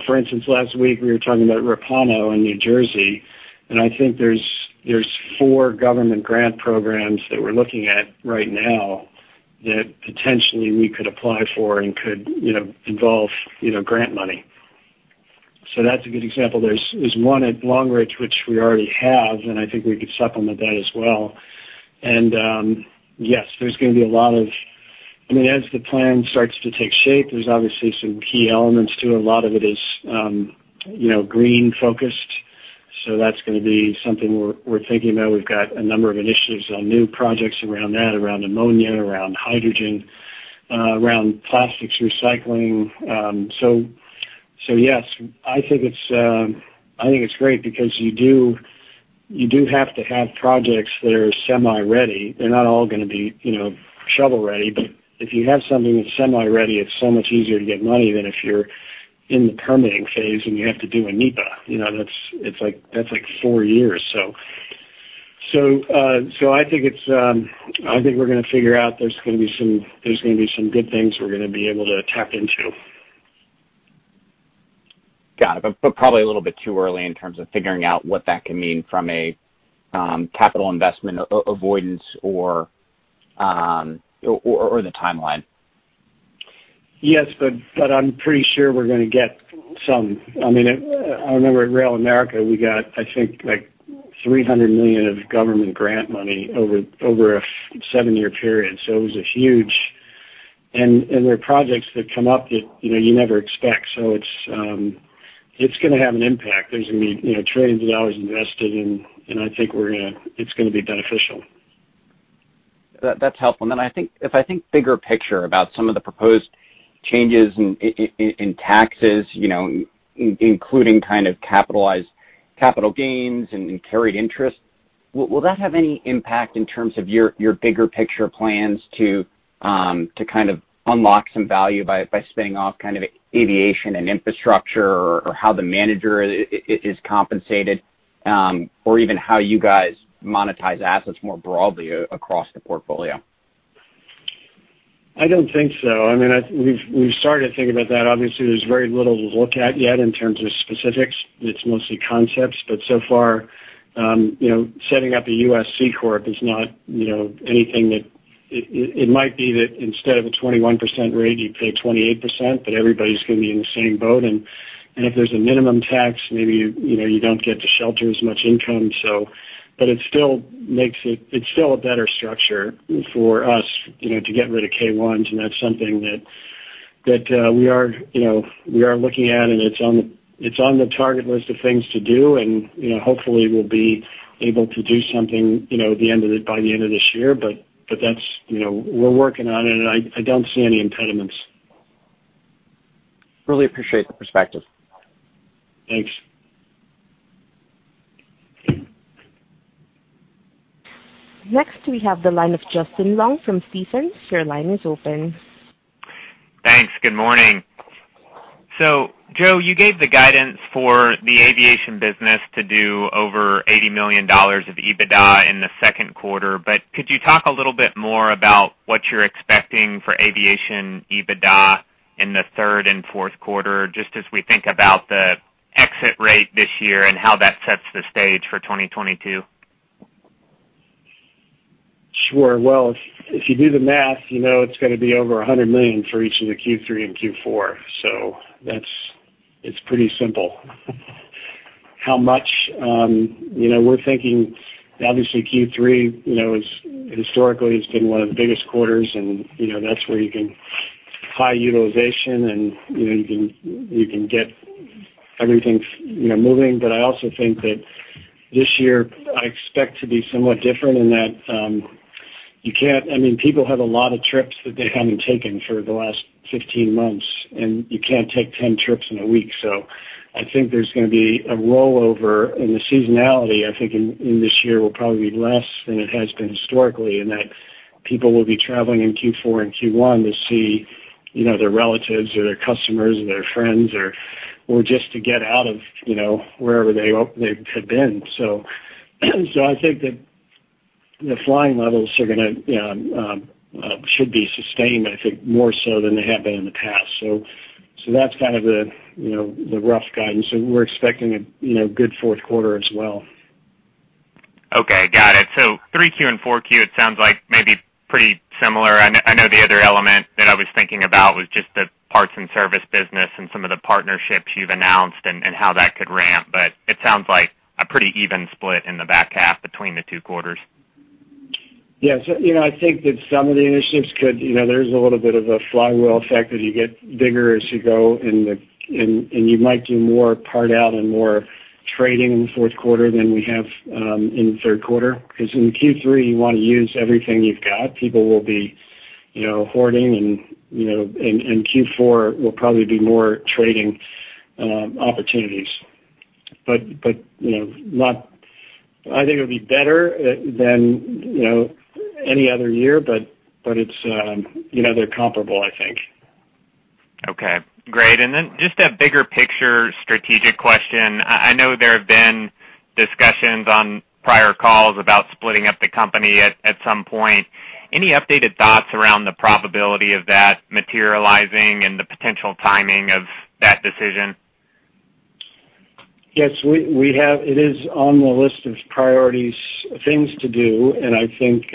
for instance, last week we were talking about Repauno in New Jersey, and I think there's four government grant programs that we're looking at right now that potentially we could apply for and could involve grant money, so that's a good example. There's one at Long Ridge, which we already have, and I think we could supplement that as well, and yes, there's going to be a lot of, I mean, as the plan starts to take shape, there's obviously some key elements to it. A lot of it is green-focused, so that's going to be something we're thinking about. We've got a number of initiatives on new projects around that, around ammonia, around hydrogen, around plastics recycling, so yes, I think it's great because you do have to have projects that are semi-ready. They're not all going to be shovel-ready. But if you have something that's semi-ready, it's so much easier to get money than if you're in the permitting phase and you have to do a NEPA. It's like four years. So I think we're going to figure out there's going to be some good things we're going to be able to tap into. Got it. But probably a little bit too early in terms of figuring out what that can mean from a capital investment avoidance or the timeline. Yes, but I'm pretty sure we're going to get some. I mean, I remember at Rail America, we got, I think, like $300 million of government grant money over a seven-year period, so it was huge, and there are projects that come up that you never expect, so it's going to have an impact. There's going to be trillions of dollars invested, and I think it's going to be beneficial. That's helpful. And then if I think bigger picture about some of the proposed changes in taxes, including kind of capital gains and carried interest, will that have any impact in terms of your bigger picture plans to kind of unlock some value by spinning off kind of aviation and infrastructure or how the manager is compensated or even how you guys monetize assets more broadly across the portfolio? I don't think so. I mean, we've started to think about that. Obviously, there's very little to look at yet in terms of specifics. It's mostly concepts, but so far, setting up a C-Corp is not anything that it might be that instead of a 21% rate, you pay 28%, but everybody's going to be in the same boat, and if there's a minimum tax, maybe you don't get to shelter as much income, but it still makes it. It's still a better structure for us to get rid of K-1s, and that's something that we are looking at, and it's on the target list of things to do, and hopefully, we'll be able to do something by the end of this year, but we're working on it, and I don't see any impediments. Really appreciate the perspective. Thanks. Next, we have the line of Justin Long from Stephens. Your line is open. Thanks. Good morning. So Joe, you gave the guidance for the aviation business to do over $80 million of EBITDA in the second quarter. But could you talk a little bit more about what you're expecting for aviation EBITDA in the third and fourth quarter, just as we think about the exit rate this year and how that sets the stage for 2022? Sure. Well, if you do the math, you know it's going to be over $100 million for each of the Q3 and Q4. So it's pretty simple how much. We're thinking, obviously, Q3 historically has been one of the biggest quarters, and that's where you can high utilization and you can get everything moving. But I also think that this year, I expect to be somewhat different in that you can't, I mean, people have a lot of trips that they haven't taken for the last 15 months, and you can't take 10 trips in a week. So I think there's going to be a rollover. And the seasonality, I think, in this year will probably be less than it has been historically in that people will be traveling in Q4 and Q1 to see their relatives or their customers or their friends or just to get out of wherever they had been. So I think that the flying levels should be sustained, I think, more so than they have been in the past. So that's kind of the rough guidance. So we're expecting a good fourth quarter as well. Okay. Got it. So 3Q and 4Q, it sounds like maybe pretty similar. I know the other element that I was thinking about was just the parts and service business and some of the partnerships you've announced and how that could ramp. But it sounds like a pretty even split in the back half between the two quarters. Yes. I think that some of the initiatives could. There's a little bit of a flywheel effect that you get bigger as you go. You might do more part out and more trading in the fourth quarter than we have in the third quarter. Because in Q3, you want to use everything you've got. People will be hoarding. Q4 will probably be more trading opportunities. But I think it'll be better than any other year, but they're comparable, I think. Okay. Great. And then just a bigger picture strategic question. I know there have been discussions on prior calls about splitting up the company at some point. Any updated thoughts around the probability of that materializing and the potential timing of that decision? Yes. It is on the list of priorities, things to do. And I think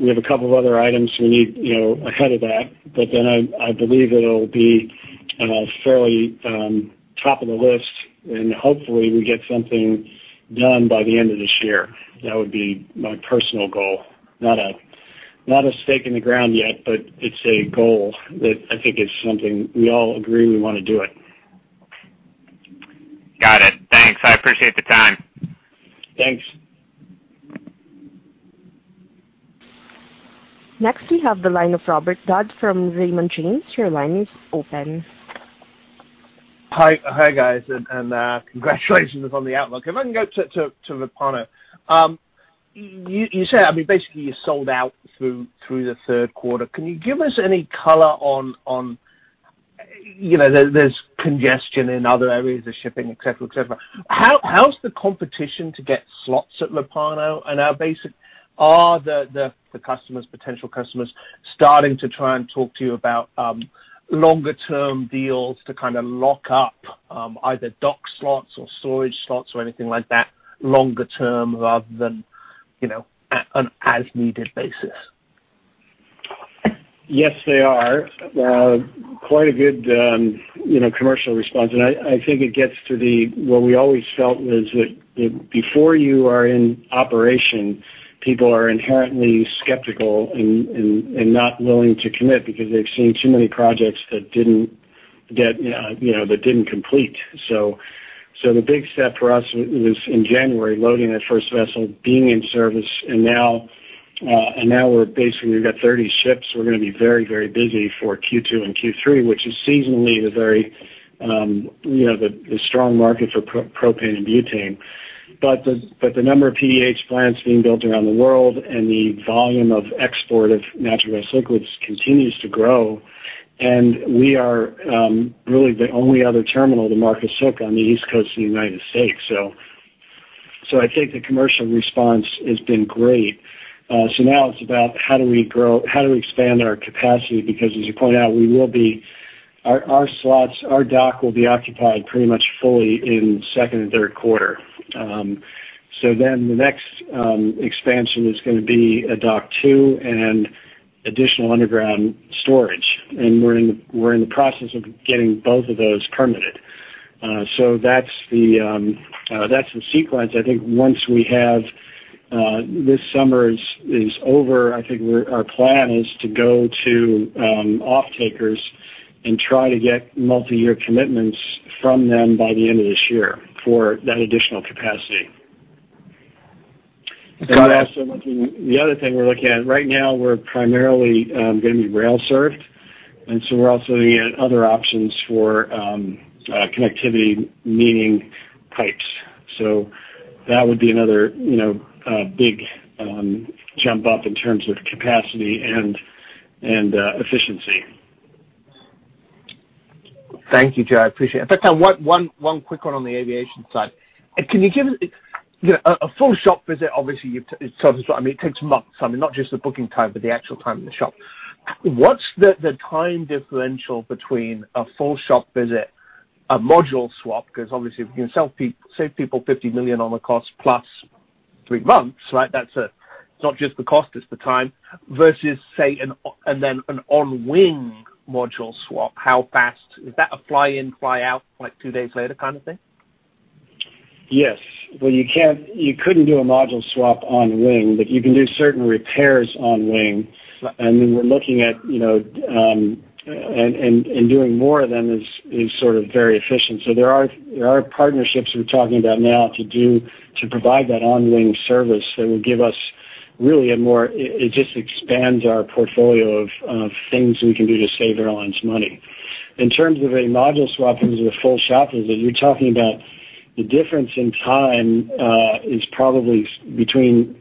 we have a couple of other items we need ahead of that. But then I believe it'll be fairly top of the list. And hopefully, we get something done by the end of this year. That would be my personal goal. Not a stake in the ground yet, but it's a goal that I think is something we all agree we want to do it. Got it. Thanks. I appreciate the time. Thanks. Next, we have the line of Robert Dodd from Raymond James. Your line is open. Hi, guys, and congratulations on the outlook. If I can go to Repauno. You said, I mean, basically, you sold out through the third quarter. Can you give us any color on, there's congestion in other areas of shipping, etc., etc. How's the competition to get slots at Repauno? And are the customers, potential customers, starting to try and talk to you about longer-term deals to kind of lock up either dock slots or storage slots or anything like that longer-term rather than on an as-needed basis? Yes, they are. Quite a good commercial response, and I think it gets to the what we always felt was that before you are in operation, people are inherently skeptical and not willing to commit because they've seen too many projects that didn't complete, so the big step for us was in January, loading that first vessel, being in service. And now we're basically. We've got 30 ships. We're going to be very, very busy for Q2 and Q3, which is seasonally the very strong market for propane and butane, but the number of PDH plants being built around the world and the volume of export of natural gas liquids continues to grow, and we are really the only other terminal the market's hooked on the East Coast of the United States, so I think the commercial response has been great. So now it's about how do we grow, how do we expand our capacity? Because as you point out, we'll be out of slots. Our dock will be occupied pretty much fully in second and third quarter. So then the next expansion is going to be a dock two and additional underground storage. And we're in the process of getting both of those permitted. So that's the sequence. I think once this summer is over, I think our plan is to go to off-takers and try to get multi-year commitments from them by the end of this year for that additional capacity. And the other thing we're looking at right now, we're primarily going to be rail-served. And so we're also looking at other options for connectivity, meaning pipes. So that would be another big jump up in terms of capacity and efficiency. Thank you, Joe. I appreciate it. But one quick one on the aviation side. Can you give a full shop visit? Obviously, it's sort of I mean, it takes months. I mean, not just the booking time, but the actual time in the shop. What's the time differential between a full shop visit, a module swap? Because obviously, we can save people $50 million on the cost plus three months, right? It's not just the cost, it's the time. Versus, say, and then an on-wing module swap, how fast? Is that a fly-in, fly-out, like two days later kind of thing? Yes. Well, you couldn't do a module swap on-wing, but you can do certain repairs on-wing, and then we're looking at and doing more of them is sort of very efficient, so there are partnerships we're talking about now to provide that on-wing service that will give us really a more it just expands our portfolio of things we can do to save airlines money. In terms of a module swap versus a full shop visit, you're talking about the difference in time is probably between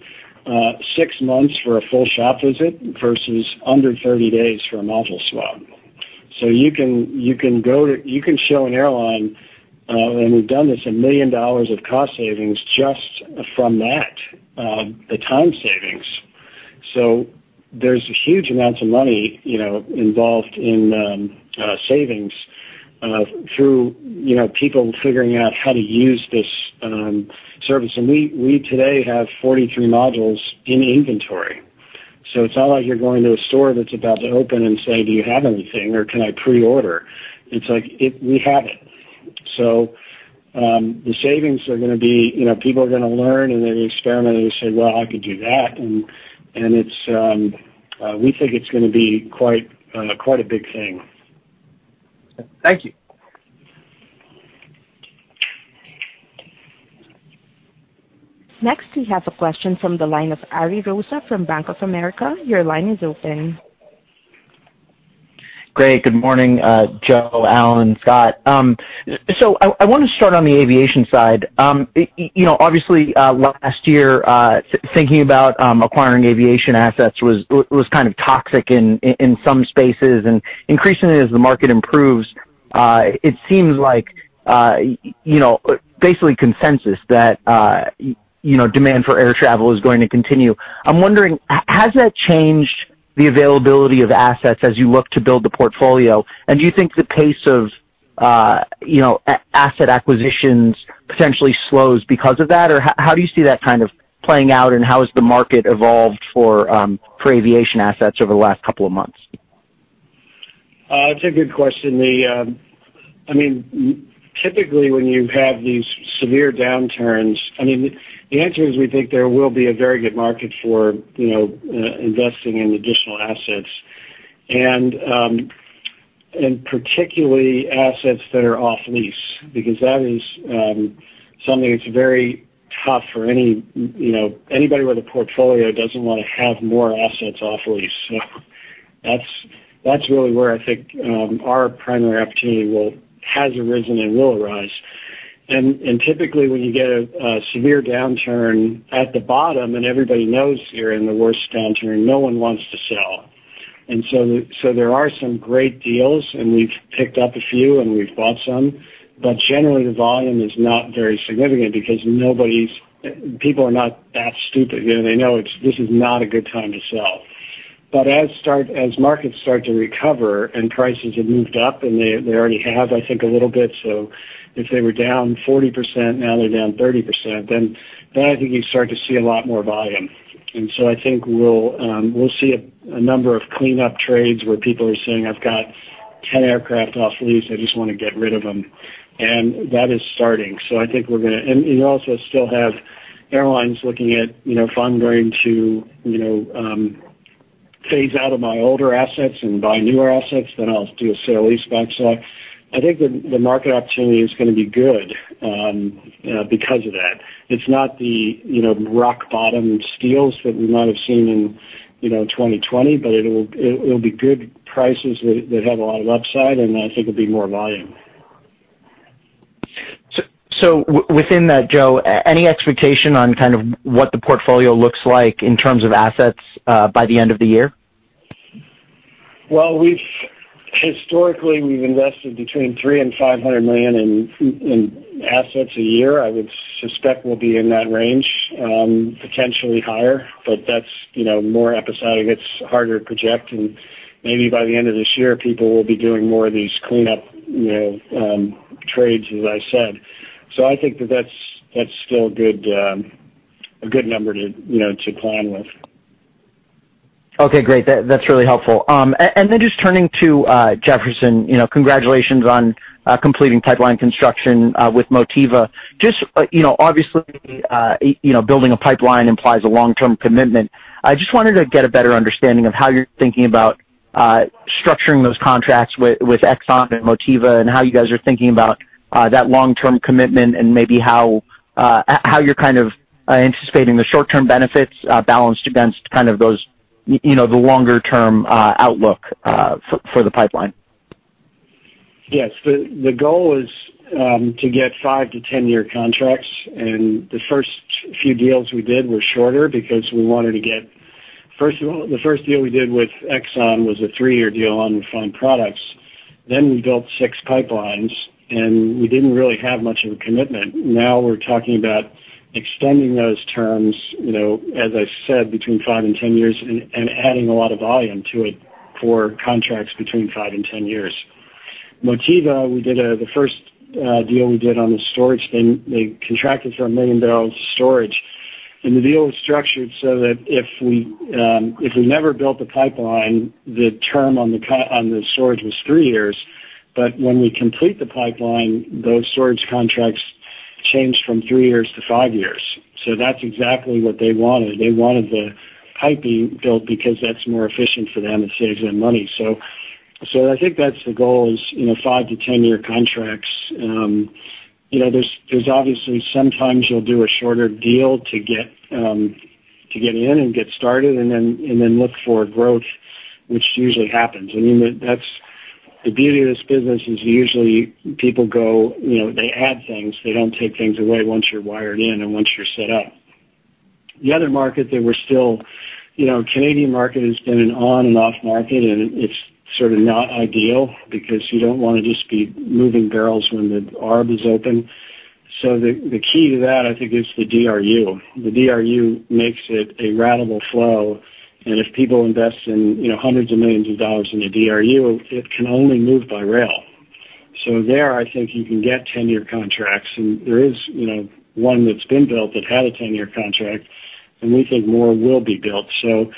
six months for a full shop visit versus under 30 days for a module swap, so you can go to you can show an airline, and we've done this $1 million of cost savings just from that, the time savings, so there's huge amounts of money involved in savings through people figuring out how to use this service. And we today have 43 modules in inventory. So it's not like you're going to a store that's about to open and say, "Do you have anything?" or, "Can I pre-order?" It's like we have it. So the savings are going to be people are going to learn, and they're going to experiment, and they say, "Well, I could do that." And we think it's going to be quite a big thing. Thank you. Next, we have a question from the line of Ari Rosa from Bank of America. Your line is open. Great. Good morning, Joe, Alan, Scott. So I want to start on the aviation side. Obviously, last year, thinking about acquiring aviation assets was kind of toxic in some spaces. And increasingly, as the market improves, it seems like basically consensus that demand for air travel is going to continue. I'm wondering, has that changed the availability of assets as you look to build the portfolio? And do you think the pace of asset acquisitions potentially slows because of that? Or how do you see that kind of playing out? And how has the market evolved for aviation assets over the last couple of months? That's a good question. I mean, typically, when you have these severe downturns, I mean, the answer is we think there will be a very good market for investing in additional assets, and particularly assets that are off-lease. Because that is something that's very tough for anybody with a portfolio that doesn't want to have more assets off-lease. So that's really where I think our primary opportunity has arisen and will arise. And typically, when you get a severe downturn at the bottom, and everybody knows you're in the worst downturn, no one wants to sell. And so there are some great deals, and we've picked up a few, and we've bought some. But generally, the volume is not very significant because people are not that stupid. They know this is not a good time to sell. But as markets start to recover and prices have moved up, and they already have, I think, a little bit. So if they were down 40%, now they're down 30%, then I think you start to see a lot more volume. And so I think we'll see a number of cleanup trades where people are saying, "I've got 10 aircraft off-lease. I just want to get rid of them." And that is starting. So I think we're going to and you also still have airlines looking at if I'm going to phase out of my older assets and buy newer assets, then I'll do a sale lease back. So I think the market opportunity is going to be good because of that. It's not the rock bottom steals that we might have seen in 2020, but it'll be good prices that have a lot of upside, and I think it'll be more volume. So within that, Joe, any expectation on kind of what the portfolio looks like in terms of assets by the end of the year? Historically, we've invested between $300 million and $500 million in assets a year. I would suspect we'll be in that range, potentially higher. But that's more episodic. It's harder to project. Maybe by the end of this year, people will be doing more of these cleanup trades, as I said. I think that that's still a good number to plan with. Okay. Great. That's really helpful. And then just turning to Jefferson, congratulations on completing pipeline construction with Motiva. Just obviously, building a pipeline implies a long-term commitment. I just wanted to get a better understanding of how you're thinking about structuring those contracts with Exxon and Motiva and how you guys are thinking about that long-term commitment and maybe how you're kind of anticipating the short-term benefits balanced against kind of the longer-term outlook for the pipeline. Yes. The goal is to get five-10-year contracts. And the first few deals we did were shorter because we wanted to get first of all, the first deal we did with Exxon was a three-year deal on refined products. Then we built six pipelines, and we didn't really have much of a commitment. Now we're talking about extending those terms, as I said, between five and 10 years and adding a lot of volume to it for contracts between five and 10 years. Motiva, the first deal we did on the storage, they contracted for a million barrels of storage. And the deal was structured so that if we never built the pipeline, the term on the storage was three years. But when we complete the pipeline, those storage contracts change from three years to five years. So that's exactly what they wanted. They wanted the piping built because that's more efficient for them and saves them money. So I think that's the goal is five to 10-year contracts. There's obviously sometimes you'll do a shorter deal to get in and get started and then look for growth, which usually happens. I mean, the beauty of this business is usually people go, they add things. They don't take things away once you're wired in and once you're set up. The other market that we're still in, the Canadian market, has been an on-and-off market, and it's sort of not ideal because you don't want to just be moving barrels when the arb is open. So the key to that, I think, is the DRU. The DRU makes it a ratable flow. And if people invest in hundreds of millions of dollars in a DRU, it can only move by rail. So there, I think you can get 10-year contracts. And there is one that's been built that had a 10-year contract, and we think more will be built. So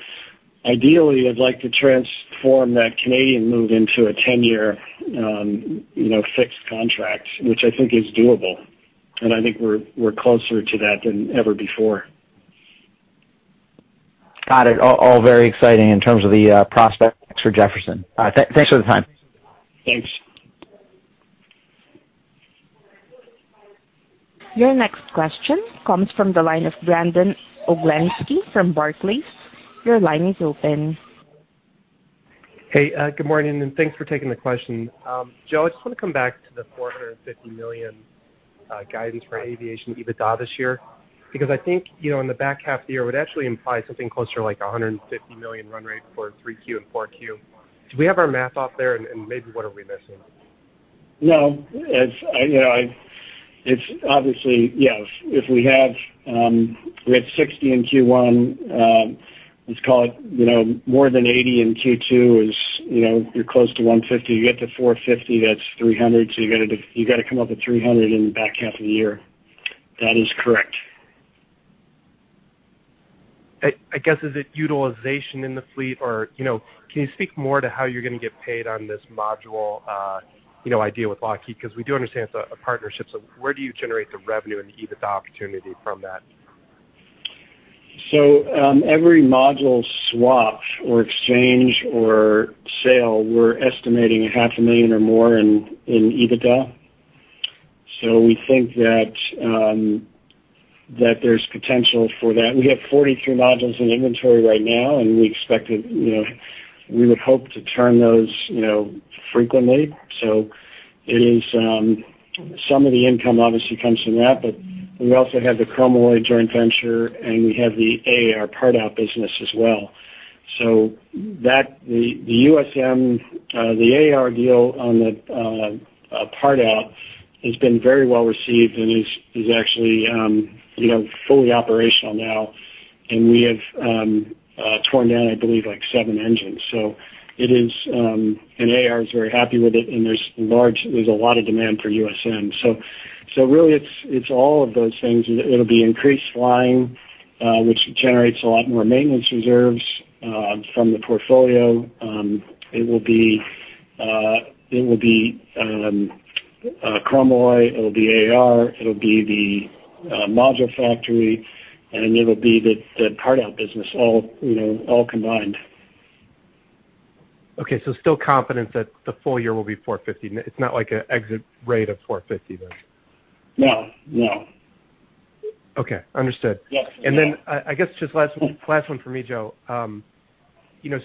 ideally, I'd like to transform that Canadian move into a 10-year fixed contract, which I think is doable. And I think we're closer to that than ever before. Got it. All very exciting in terms of the prospects for Jefferson. Thanks for the time. Thanks. Your next question comes from the line of Brandon Oglenski from Barclays. Your line is open. Hey, good morning. And thanks for taking the question. Joe, I just want to come back to the $450 million guidance for aviation EBITDA this year because I think in the back half of the year, it would actually imply something closer to like a $150 million run rate for 3Q and 4Q. Do we have our math off there? And maybe what are we missing? No. It's obviously, yeah, if we had 60 in Q1. Let's call it more than 80 in Q2. You're close to 150. You get to 450, that's 300. So you got to come up with 300 in the back half of the year. That is correct. I guess, is it utilization in the fleet? Or can you speak more to how you're going to get paid on this module idea with Lockheed? Because we do understand it's a partnership. So where do you generate the revenue and the EBITDA opportunity from that? So every module swap or exchange or sale, we're estimating $500,000 or more in EBITDA, so we think that there's potential for that. We have 43 modules in inventory right now, and we expect that we would hope to turn those frequently, so some of the income obviously comes from that. We also have the Chromalloy Joint Venture, and we have the AAR part-out business as well, so the USM, the AAR deal on the part-out has been very well received and is actually fully operational now. We have torn down, I believe, like seven engines, so it is, and AAR is very happy with it. There's a lot of demand for USM, so really, it's all of those things. It'll be increased flying, which generates a lot more maintenance reserves from the portfolio. It will be Chromalloy. It will be AAR. It'll be the Module Factory, and it'll be the part-out business all combined. Okay, so still confident that the full year will be 450. It's not like an exit rate of 450, though. No. No. Okay. Understood. And then I guess just last one for me, Joe.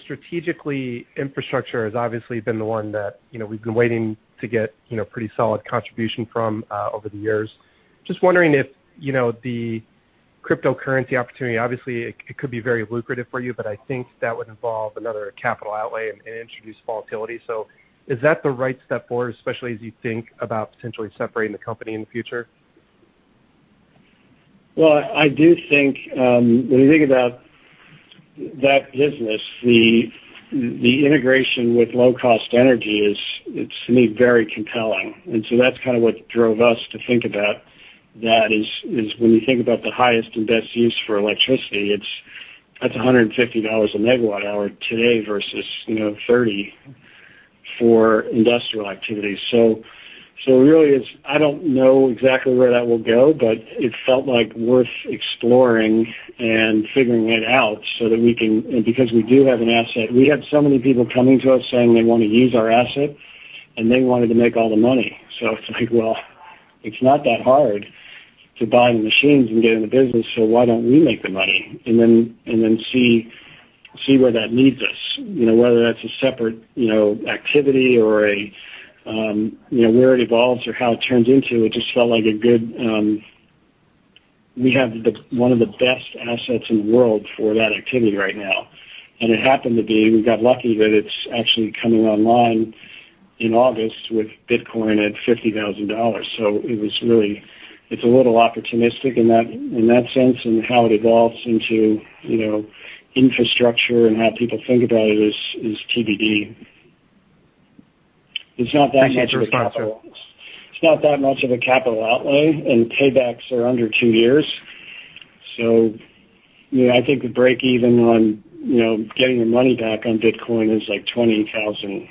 Strategically, infrastructure has obviously been the one that we've been waiting to get pretty solid contribution from over the years. Just wondering if the cryptocurrency opportunity, obviously, it could be very lucrative for you, but I think that would involve another capital outlay and introduce volatility. So is that the right step forward, especially as you think about potentially separating the company in the future? I do think when you think about that business, the integration with low-cost energy is, to me, very compelling. And so that's kind of what drove us to think about that is when you think about the highest and best use for electricity, it's $150 a megawatt hour today versus 30 for industrial activity. So really, I don't know exactly where that will go, but it felt like worth exploring and figuring it out so that we can because we do have an asset. We had so many people coming to us saying they want to use our asset, and they wanted to make all the money. So it's like, well, it's not that hard to buy the machines and get in the business. So why don't we make the money and then see where that leads us? Whether that's a separate activity or where it evolves or how it turns into, it just felt like a good we have one of the best assets in the world for that activity right now. It happened to be we got lucky that it's actually coming online in August with Bitcoin at $50,000. So it was really it's a little opportunistic in that sense and how it evolves into infrastructure and how people think about it is TBD. It's not that much of a capital. It's not that bad. It's not that much of a capital outlay. And paybacks are under two years. So I think the break-even on getting your money back on Bitcoin is like $20,000.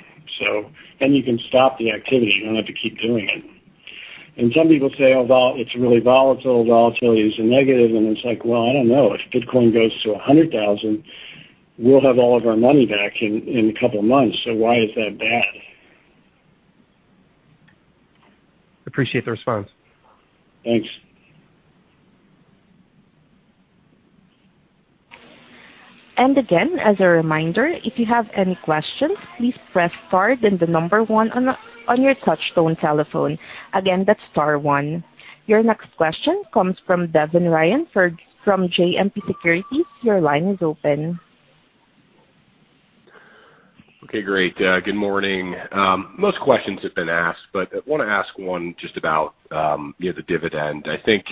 And you can stop the activity. You don't have to keep doing it. And some people say, "Oh, it's really volatile. Volatility is a negative." And it's like, well, I don't know. If Bitcoin goes to $100,000, we'll have all of our money back in a couple of months. So why is that bad? Appreciate the response. Thanks. Again, as a reminder, if you have any questions, please press star then the number one on your touch-tone telephone. Again, that's star one. Your next question comes from Devin Ryan from JMP Securities. Your line is open. Okay. Great. Good morning. Most questions have been asked, but I want to ask one just about the dividend. I think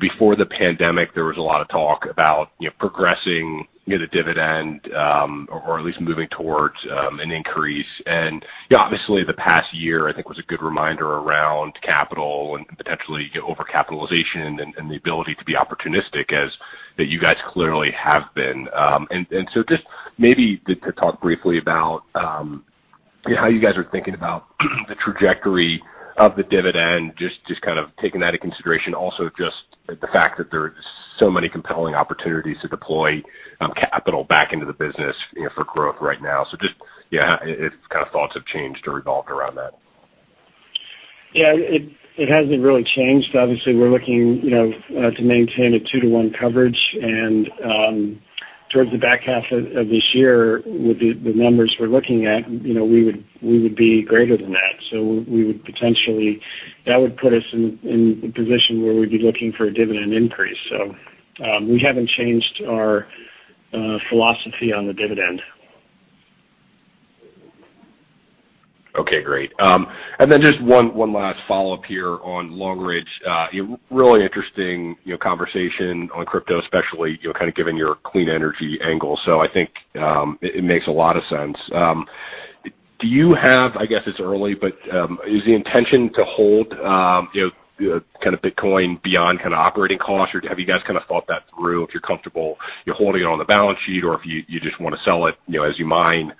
before the pandemic, there was a lot of talk about progressing the dividend or at least moving towards an increase. And obviously, the past year, I think, was a good reminder around capital and potentially over-capitalization and the ability to be opportunistic as you guys clearly have been. And so just maybe to talk briefly about how you guys are thinking about the trajectory of the dividend, just kind of taking that into consideration, also just the fact that there are so many compelling opportunities to deploy capital back into the business for growth right now. So just kind of thoughts have changed or evolved around that. Yeah. It hasn't really changed. Obviously, we're looking to maintain a two-to-one coverage. And towards the back half of this year, with the numbers we're looking at, we would be greater than that. So we would potentially put us in a position where we'd be looking for a dividend increase. So we haven't changed our philosophy on the dividend. Okay. Great. And then just one last follow-up here on Long Ridge. Really interesting conversation on crypto, especially kind of given your clean energy angle. So I think it makes a lot of sense. Do you have I guess it's early, but is the intention to hold kind of Bitcoin beyond kind of operating cost? Or have you guys kind of thought that through if you're comfortable holding it on the balance sheet or if you just want to sell it as you mine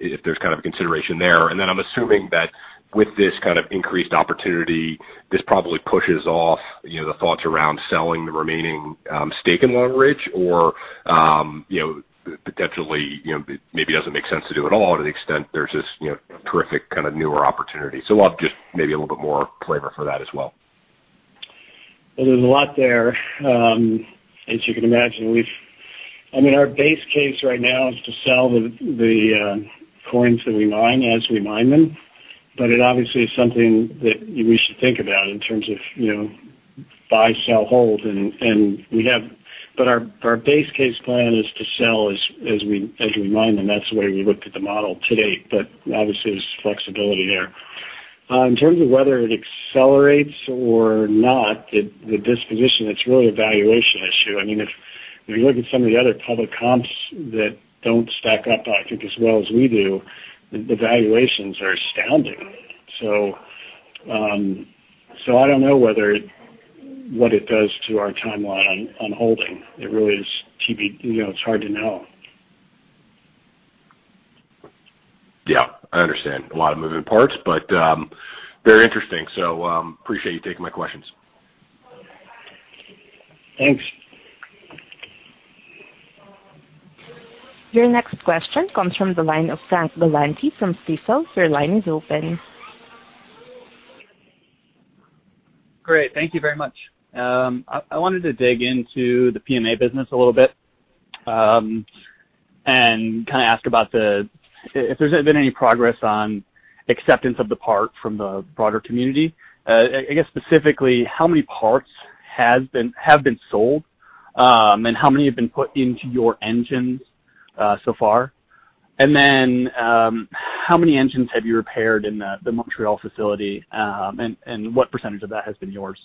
if there's kind of a consideration there? And then I'm assuming that with this kind of increased opportunity, this probably pushes off the thoughts around selling the remaining stake in Long Ridge or potentially maybe it doesn't make sense to do at all to the extent there's this terrific kind of newer opportunity. So I'll just maybe a little bit more flavor for that as well. There's a lot there. As you can imagine, I mean, our base case right now is to sell the coins that we mine as we mine them. But it obviously is something that we should think about in terms of buy, sell, hold. But our base case plan is to sell as we mine them. That's the way we looked at the model to date. But obviously, there's flexibility there. In terms of whether it accelerates or not, the disposition, it's really a valuation issue. I mean, if you look at some of the other public comps that don't stack up, I think, as well as we do, the valuations are astounding. So I don't know what it does to our timeline on holding. It really is TBD. It's hard to know. Yeah. I understand. A lot of moving parts, but very interesting, so appreciate you taking my questions. Thanks. Your next question comes from the line of Frank Galanti from Stifel. Your line is open. Great. Thank you very much. I wanted to dig into the PMA business a little bit and kind of ask about if there's been any progress on acceptance of the part from the broader community. I guess specifically, how many parts have been sold and how many have been put into your engines so far? And then how many engines have you repaired in the Montreal facility and what percentage of that has been yours?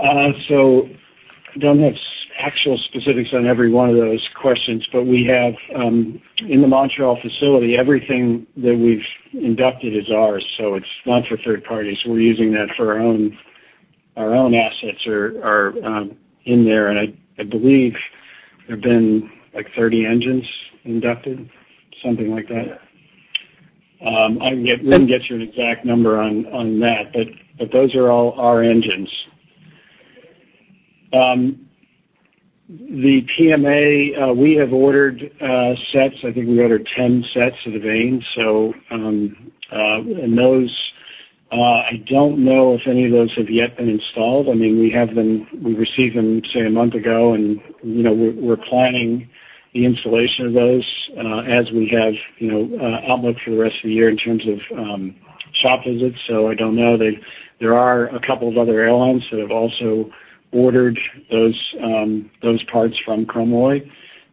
I don't have actual specifics on every one of those questions, but we have in the Montreal facility everything that we've inducted is ours. It's not for third parties. We're using that for our own assets are in there. I believe there have been like 30 engines inducted, something like that. I wouldn't get you an exact number on that, but those are all our engines. The PMA, we have ordered sets. I think we ordered 10 sets of the vanes. Those, I don't know if any of those have yet been installed. I mean, we received them, say, a month ago, and we're planning the installation of those as we have outlook for the rest of the year in terms of shop visits. I don't know. There are a couple of other airlines that have also ordered those parts from Chromalloy.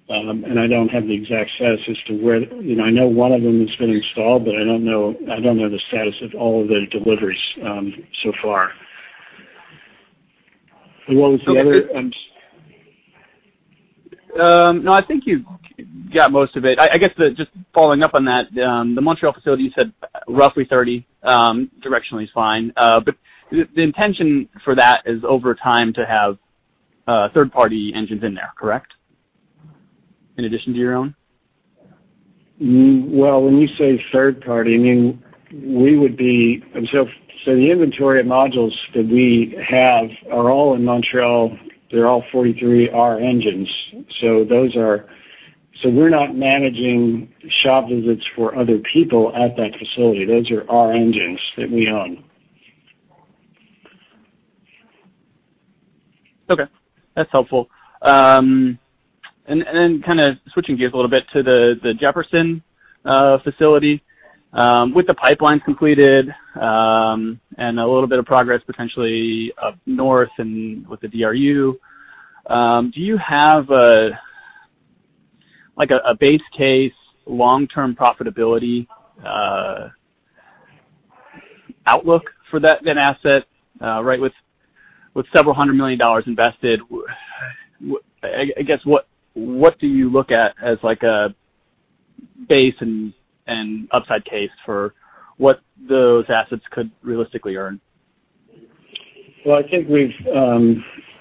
And I don't have the exact status as to where I know one of them has been installed, but I don't know the status of all of their deliveries so far. And what was the other? No, I think you got most of it. I guess just following up on that, the Montreal facility, you said roughly 30. Directionally is fine. But the intention for that is over time to have third-party engines in there, correct? In addition to your own? When you say third party, I mean, we would be so the inventory of modules that we have are all in Montreal. They're all for our engines. So we're not managing shop visits for other people at that facility. Those are our engines that we own. Okay. That's helpful. And then kind of switching gears a little bit to the Jefferson facility. With the pipelines completed and a little bit of progress potentially up north and with the DRU, do you have a base case long-term profitability outlook for that asset? Right? With several hundred million dollars invested, I guess what do you look at as a base and upside case for what those assets could realistically earn? I think we've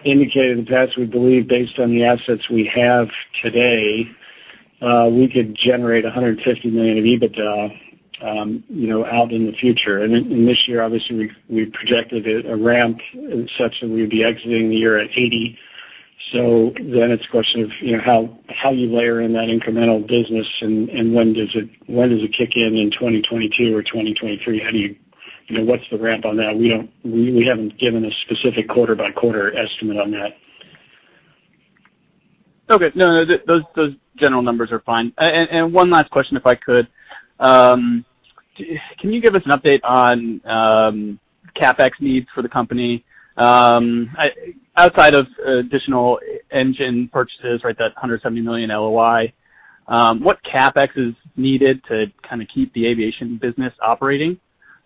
indicated in the past, we believe based on the assets we have today, we could generate $150 million of EBITDA out in the future. This year, obviously, we projected a ramp such that we would be exiting the year at $80 million. It's a question of how you layer in that incremental business and when does it kick in in 2022 or 2023? What's the ramp on that? We haven't given a specific quarter-by-quarter estimate on that. Okay. No, no. Those general numbers are fine. And one last question, if I could. Can you give us an update on CapEx needs for the company? Outside of additional engine purchases, right, that $170 million LOI, what CapEx is needed to kind of keep the aviation business operating?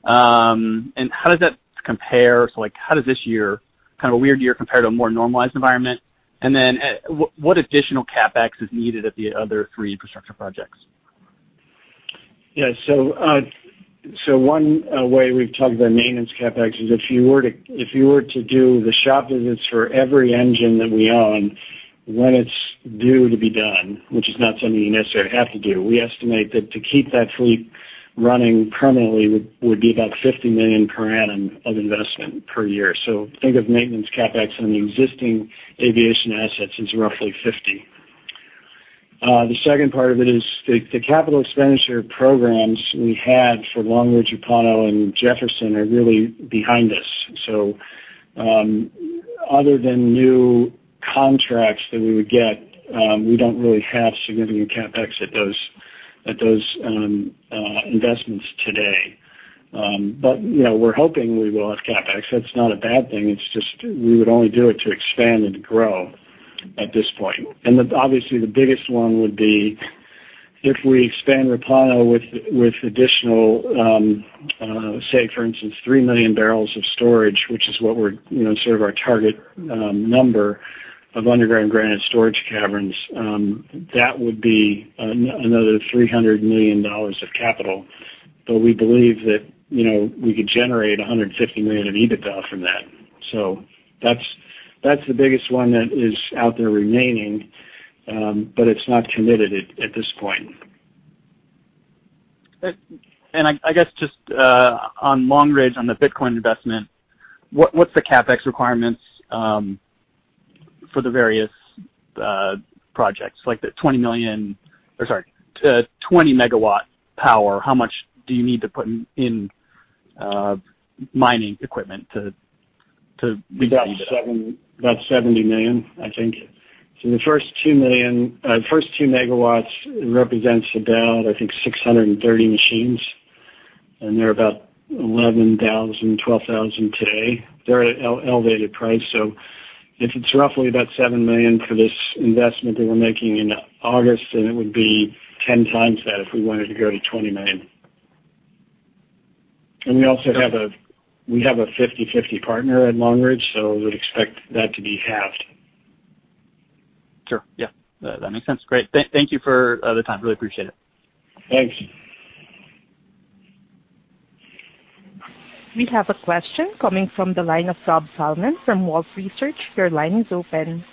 And how does that compare? So how does this year, kind of a weird year, compare to a more normalized environment? And then what additional CapEx is needed at the other three infrastructure projects? Yeah. So one way we've talked about maintenance CapEx is if you were to do the shop visits for every engine that we own when it's due to be done, which is not something you necessarily have to do. We estimate that to keep that fleet running permanently would be about $50 million per annum of investment per year. So think of maintenance CapEx on the existing aviation assets as roughly $50. The second part of it is the capital expenditure programs we had for Long Ridge, Repauno, and Jefferson are really behind us. So other than new contracts that we would get, we don't really have significant CapEx at those investments today. But we're hoping we will have CapEx. That's not a bad thing. It's just we would only do it to expand and grow at this point. Obviously, the biggest one would be if we expand Repauno with additional, say, for instance, 3 million barrels of storage, which is what we're sort of our target number of underground granite storage caverns. That would be another $300 million of capital. But we believe that we could generate $150 million of EBITDA from that. That's the biggest one that is out there remaining, but it's not committed at this point. I guess just on Long Ridge, on the Bitcoin investment, what's the CapEx requirements for the various projects? Like the 20 million or sorry, 20 megawatt power, how much do you need to put in mining equipment to reach that EBITDA? About 70 million, I think. So the first 2 million megawatts represents about, I think, 630 machines. And they're about 11,000-12,000 today. They're at an elevated price. So if it's roughly about 7 million for this investment that we're making in August, then it would be 10 times that if we wanted to go to 20 million. And we also have a 50/50 partner at Long Ridge, so we would expect that to be halved. Sure. Yeah. That makes sense. Great. Thank you for the time. Really appreciate it. Thanks. We have a question coming from the line of Rob Salman from Wolfe Research. Your line is open.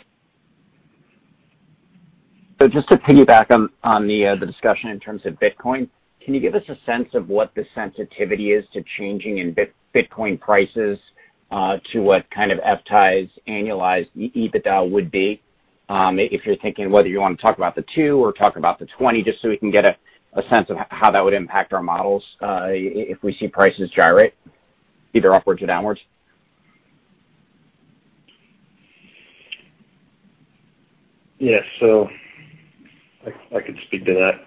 So just to piggyback on the discussion in terms of Bitcoin, can you give us a sense of what the sensitivity is to changes in Bitcoin prices to what kind of FTAI's annualized EBITDA would be? If you're thinking whether you want to talk about the 2 or talk about the 20, just so we can get a sense of how that would impact our models if we see prices gyrate, either upwards or downwards. Yes. So I could speak to that.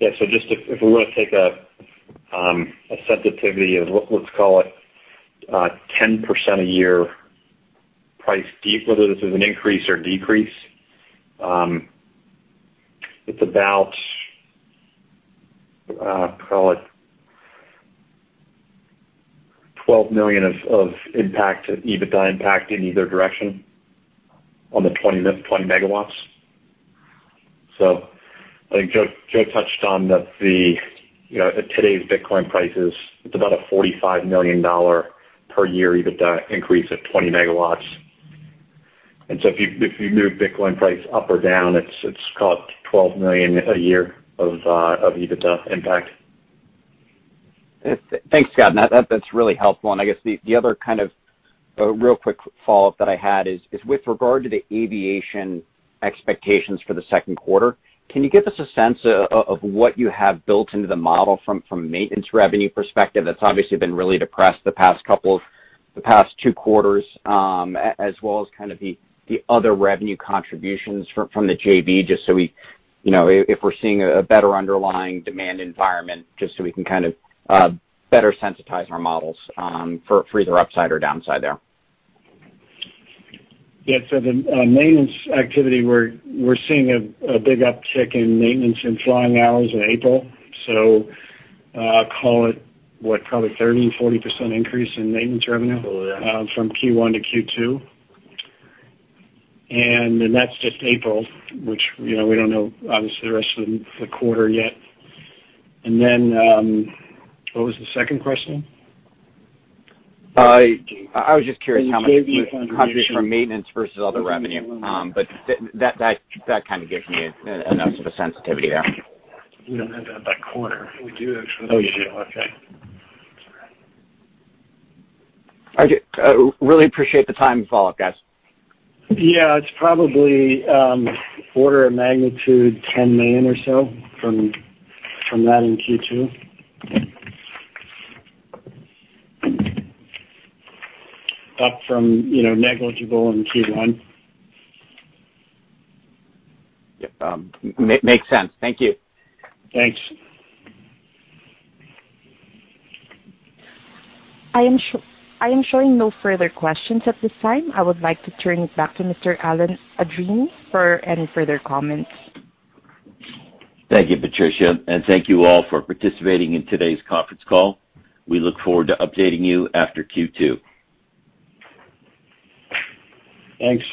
Yeah. So just if we were to take a sensitivity of, let's call it, 10% a year price dip, whether this is an increase or decrease, it's about, call it, $12 million of impact, EBITDA impact in either direction on the 20 megawatts. So I think Joe touched on that. Today's Bitcoin price is, it's about a $45 million per year EBITDA increase at 20 megawatts. And so if you move Bitcoin price up or down, it's called $12 million a year of EBITDA impact. Thanks, Scott. That's really helpful. And I guess the other kind of real quick follow-up that I had is with regard to the aviation expectations for the second quarter. Can you give us a sense of what you have built into the model from maintenance revenue perspective that's obviously been really depressed the past two quarters, as well as kind of the other revenue contributions from the JV, just so if we're seeing a better underlying demand environment, just so we can kind of better sensitize our models for either upside or downside there? Yeah. So the maintenance activity, we're seeing a big uptick in maintenance and flying hours in April. So I'll call it, what, probably 30%-40% increase in maintenance revenue from Q1 to Q2. And that's just April, which we don't know, obviously, the rest of the quarter yet. And then what was the second question? I was just curious how much increase from maintenance versus other revenue, but that kind of gives me enough of a sensitivity there. We don't have that by quarter. We do actually. Oh, you do. Okay. All right. Really appreciate the time and follow-up, guys. Yeah. It's probably order of magnitude $10 million or so from that in Q2, up from negligible in Q1. Makes sense. Thank you. Thanks. I am showing no further questions at this time. I would like to turn it back to Mr. Alan Andreini for any further comments. Thank you, Patricia, and thank you all for participating in today's conference call. We look forward to updating you after Q2. Thanks.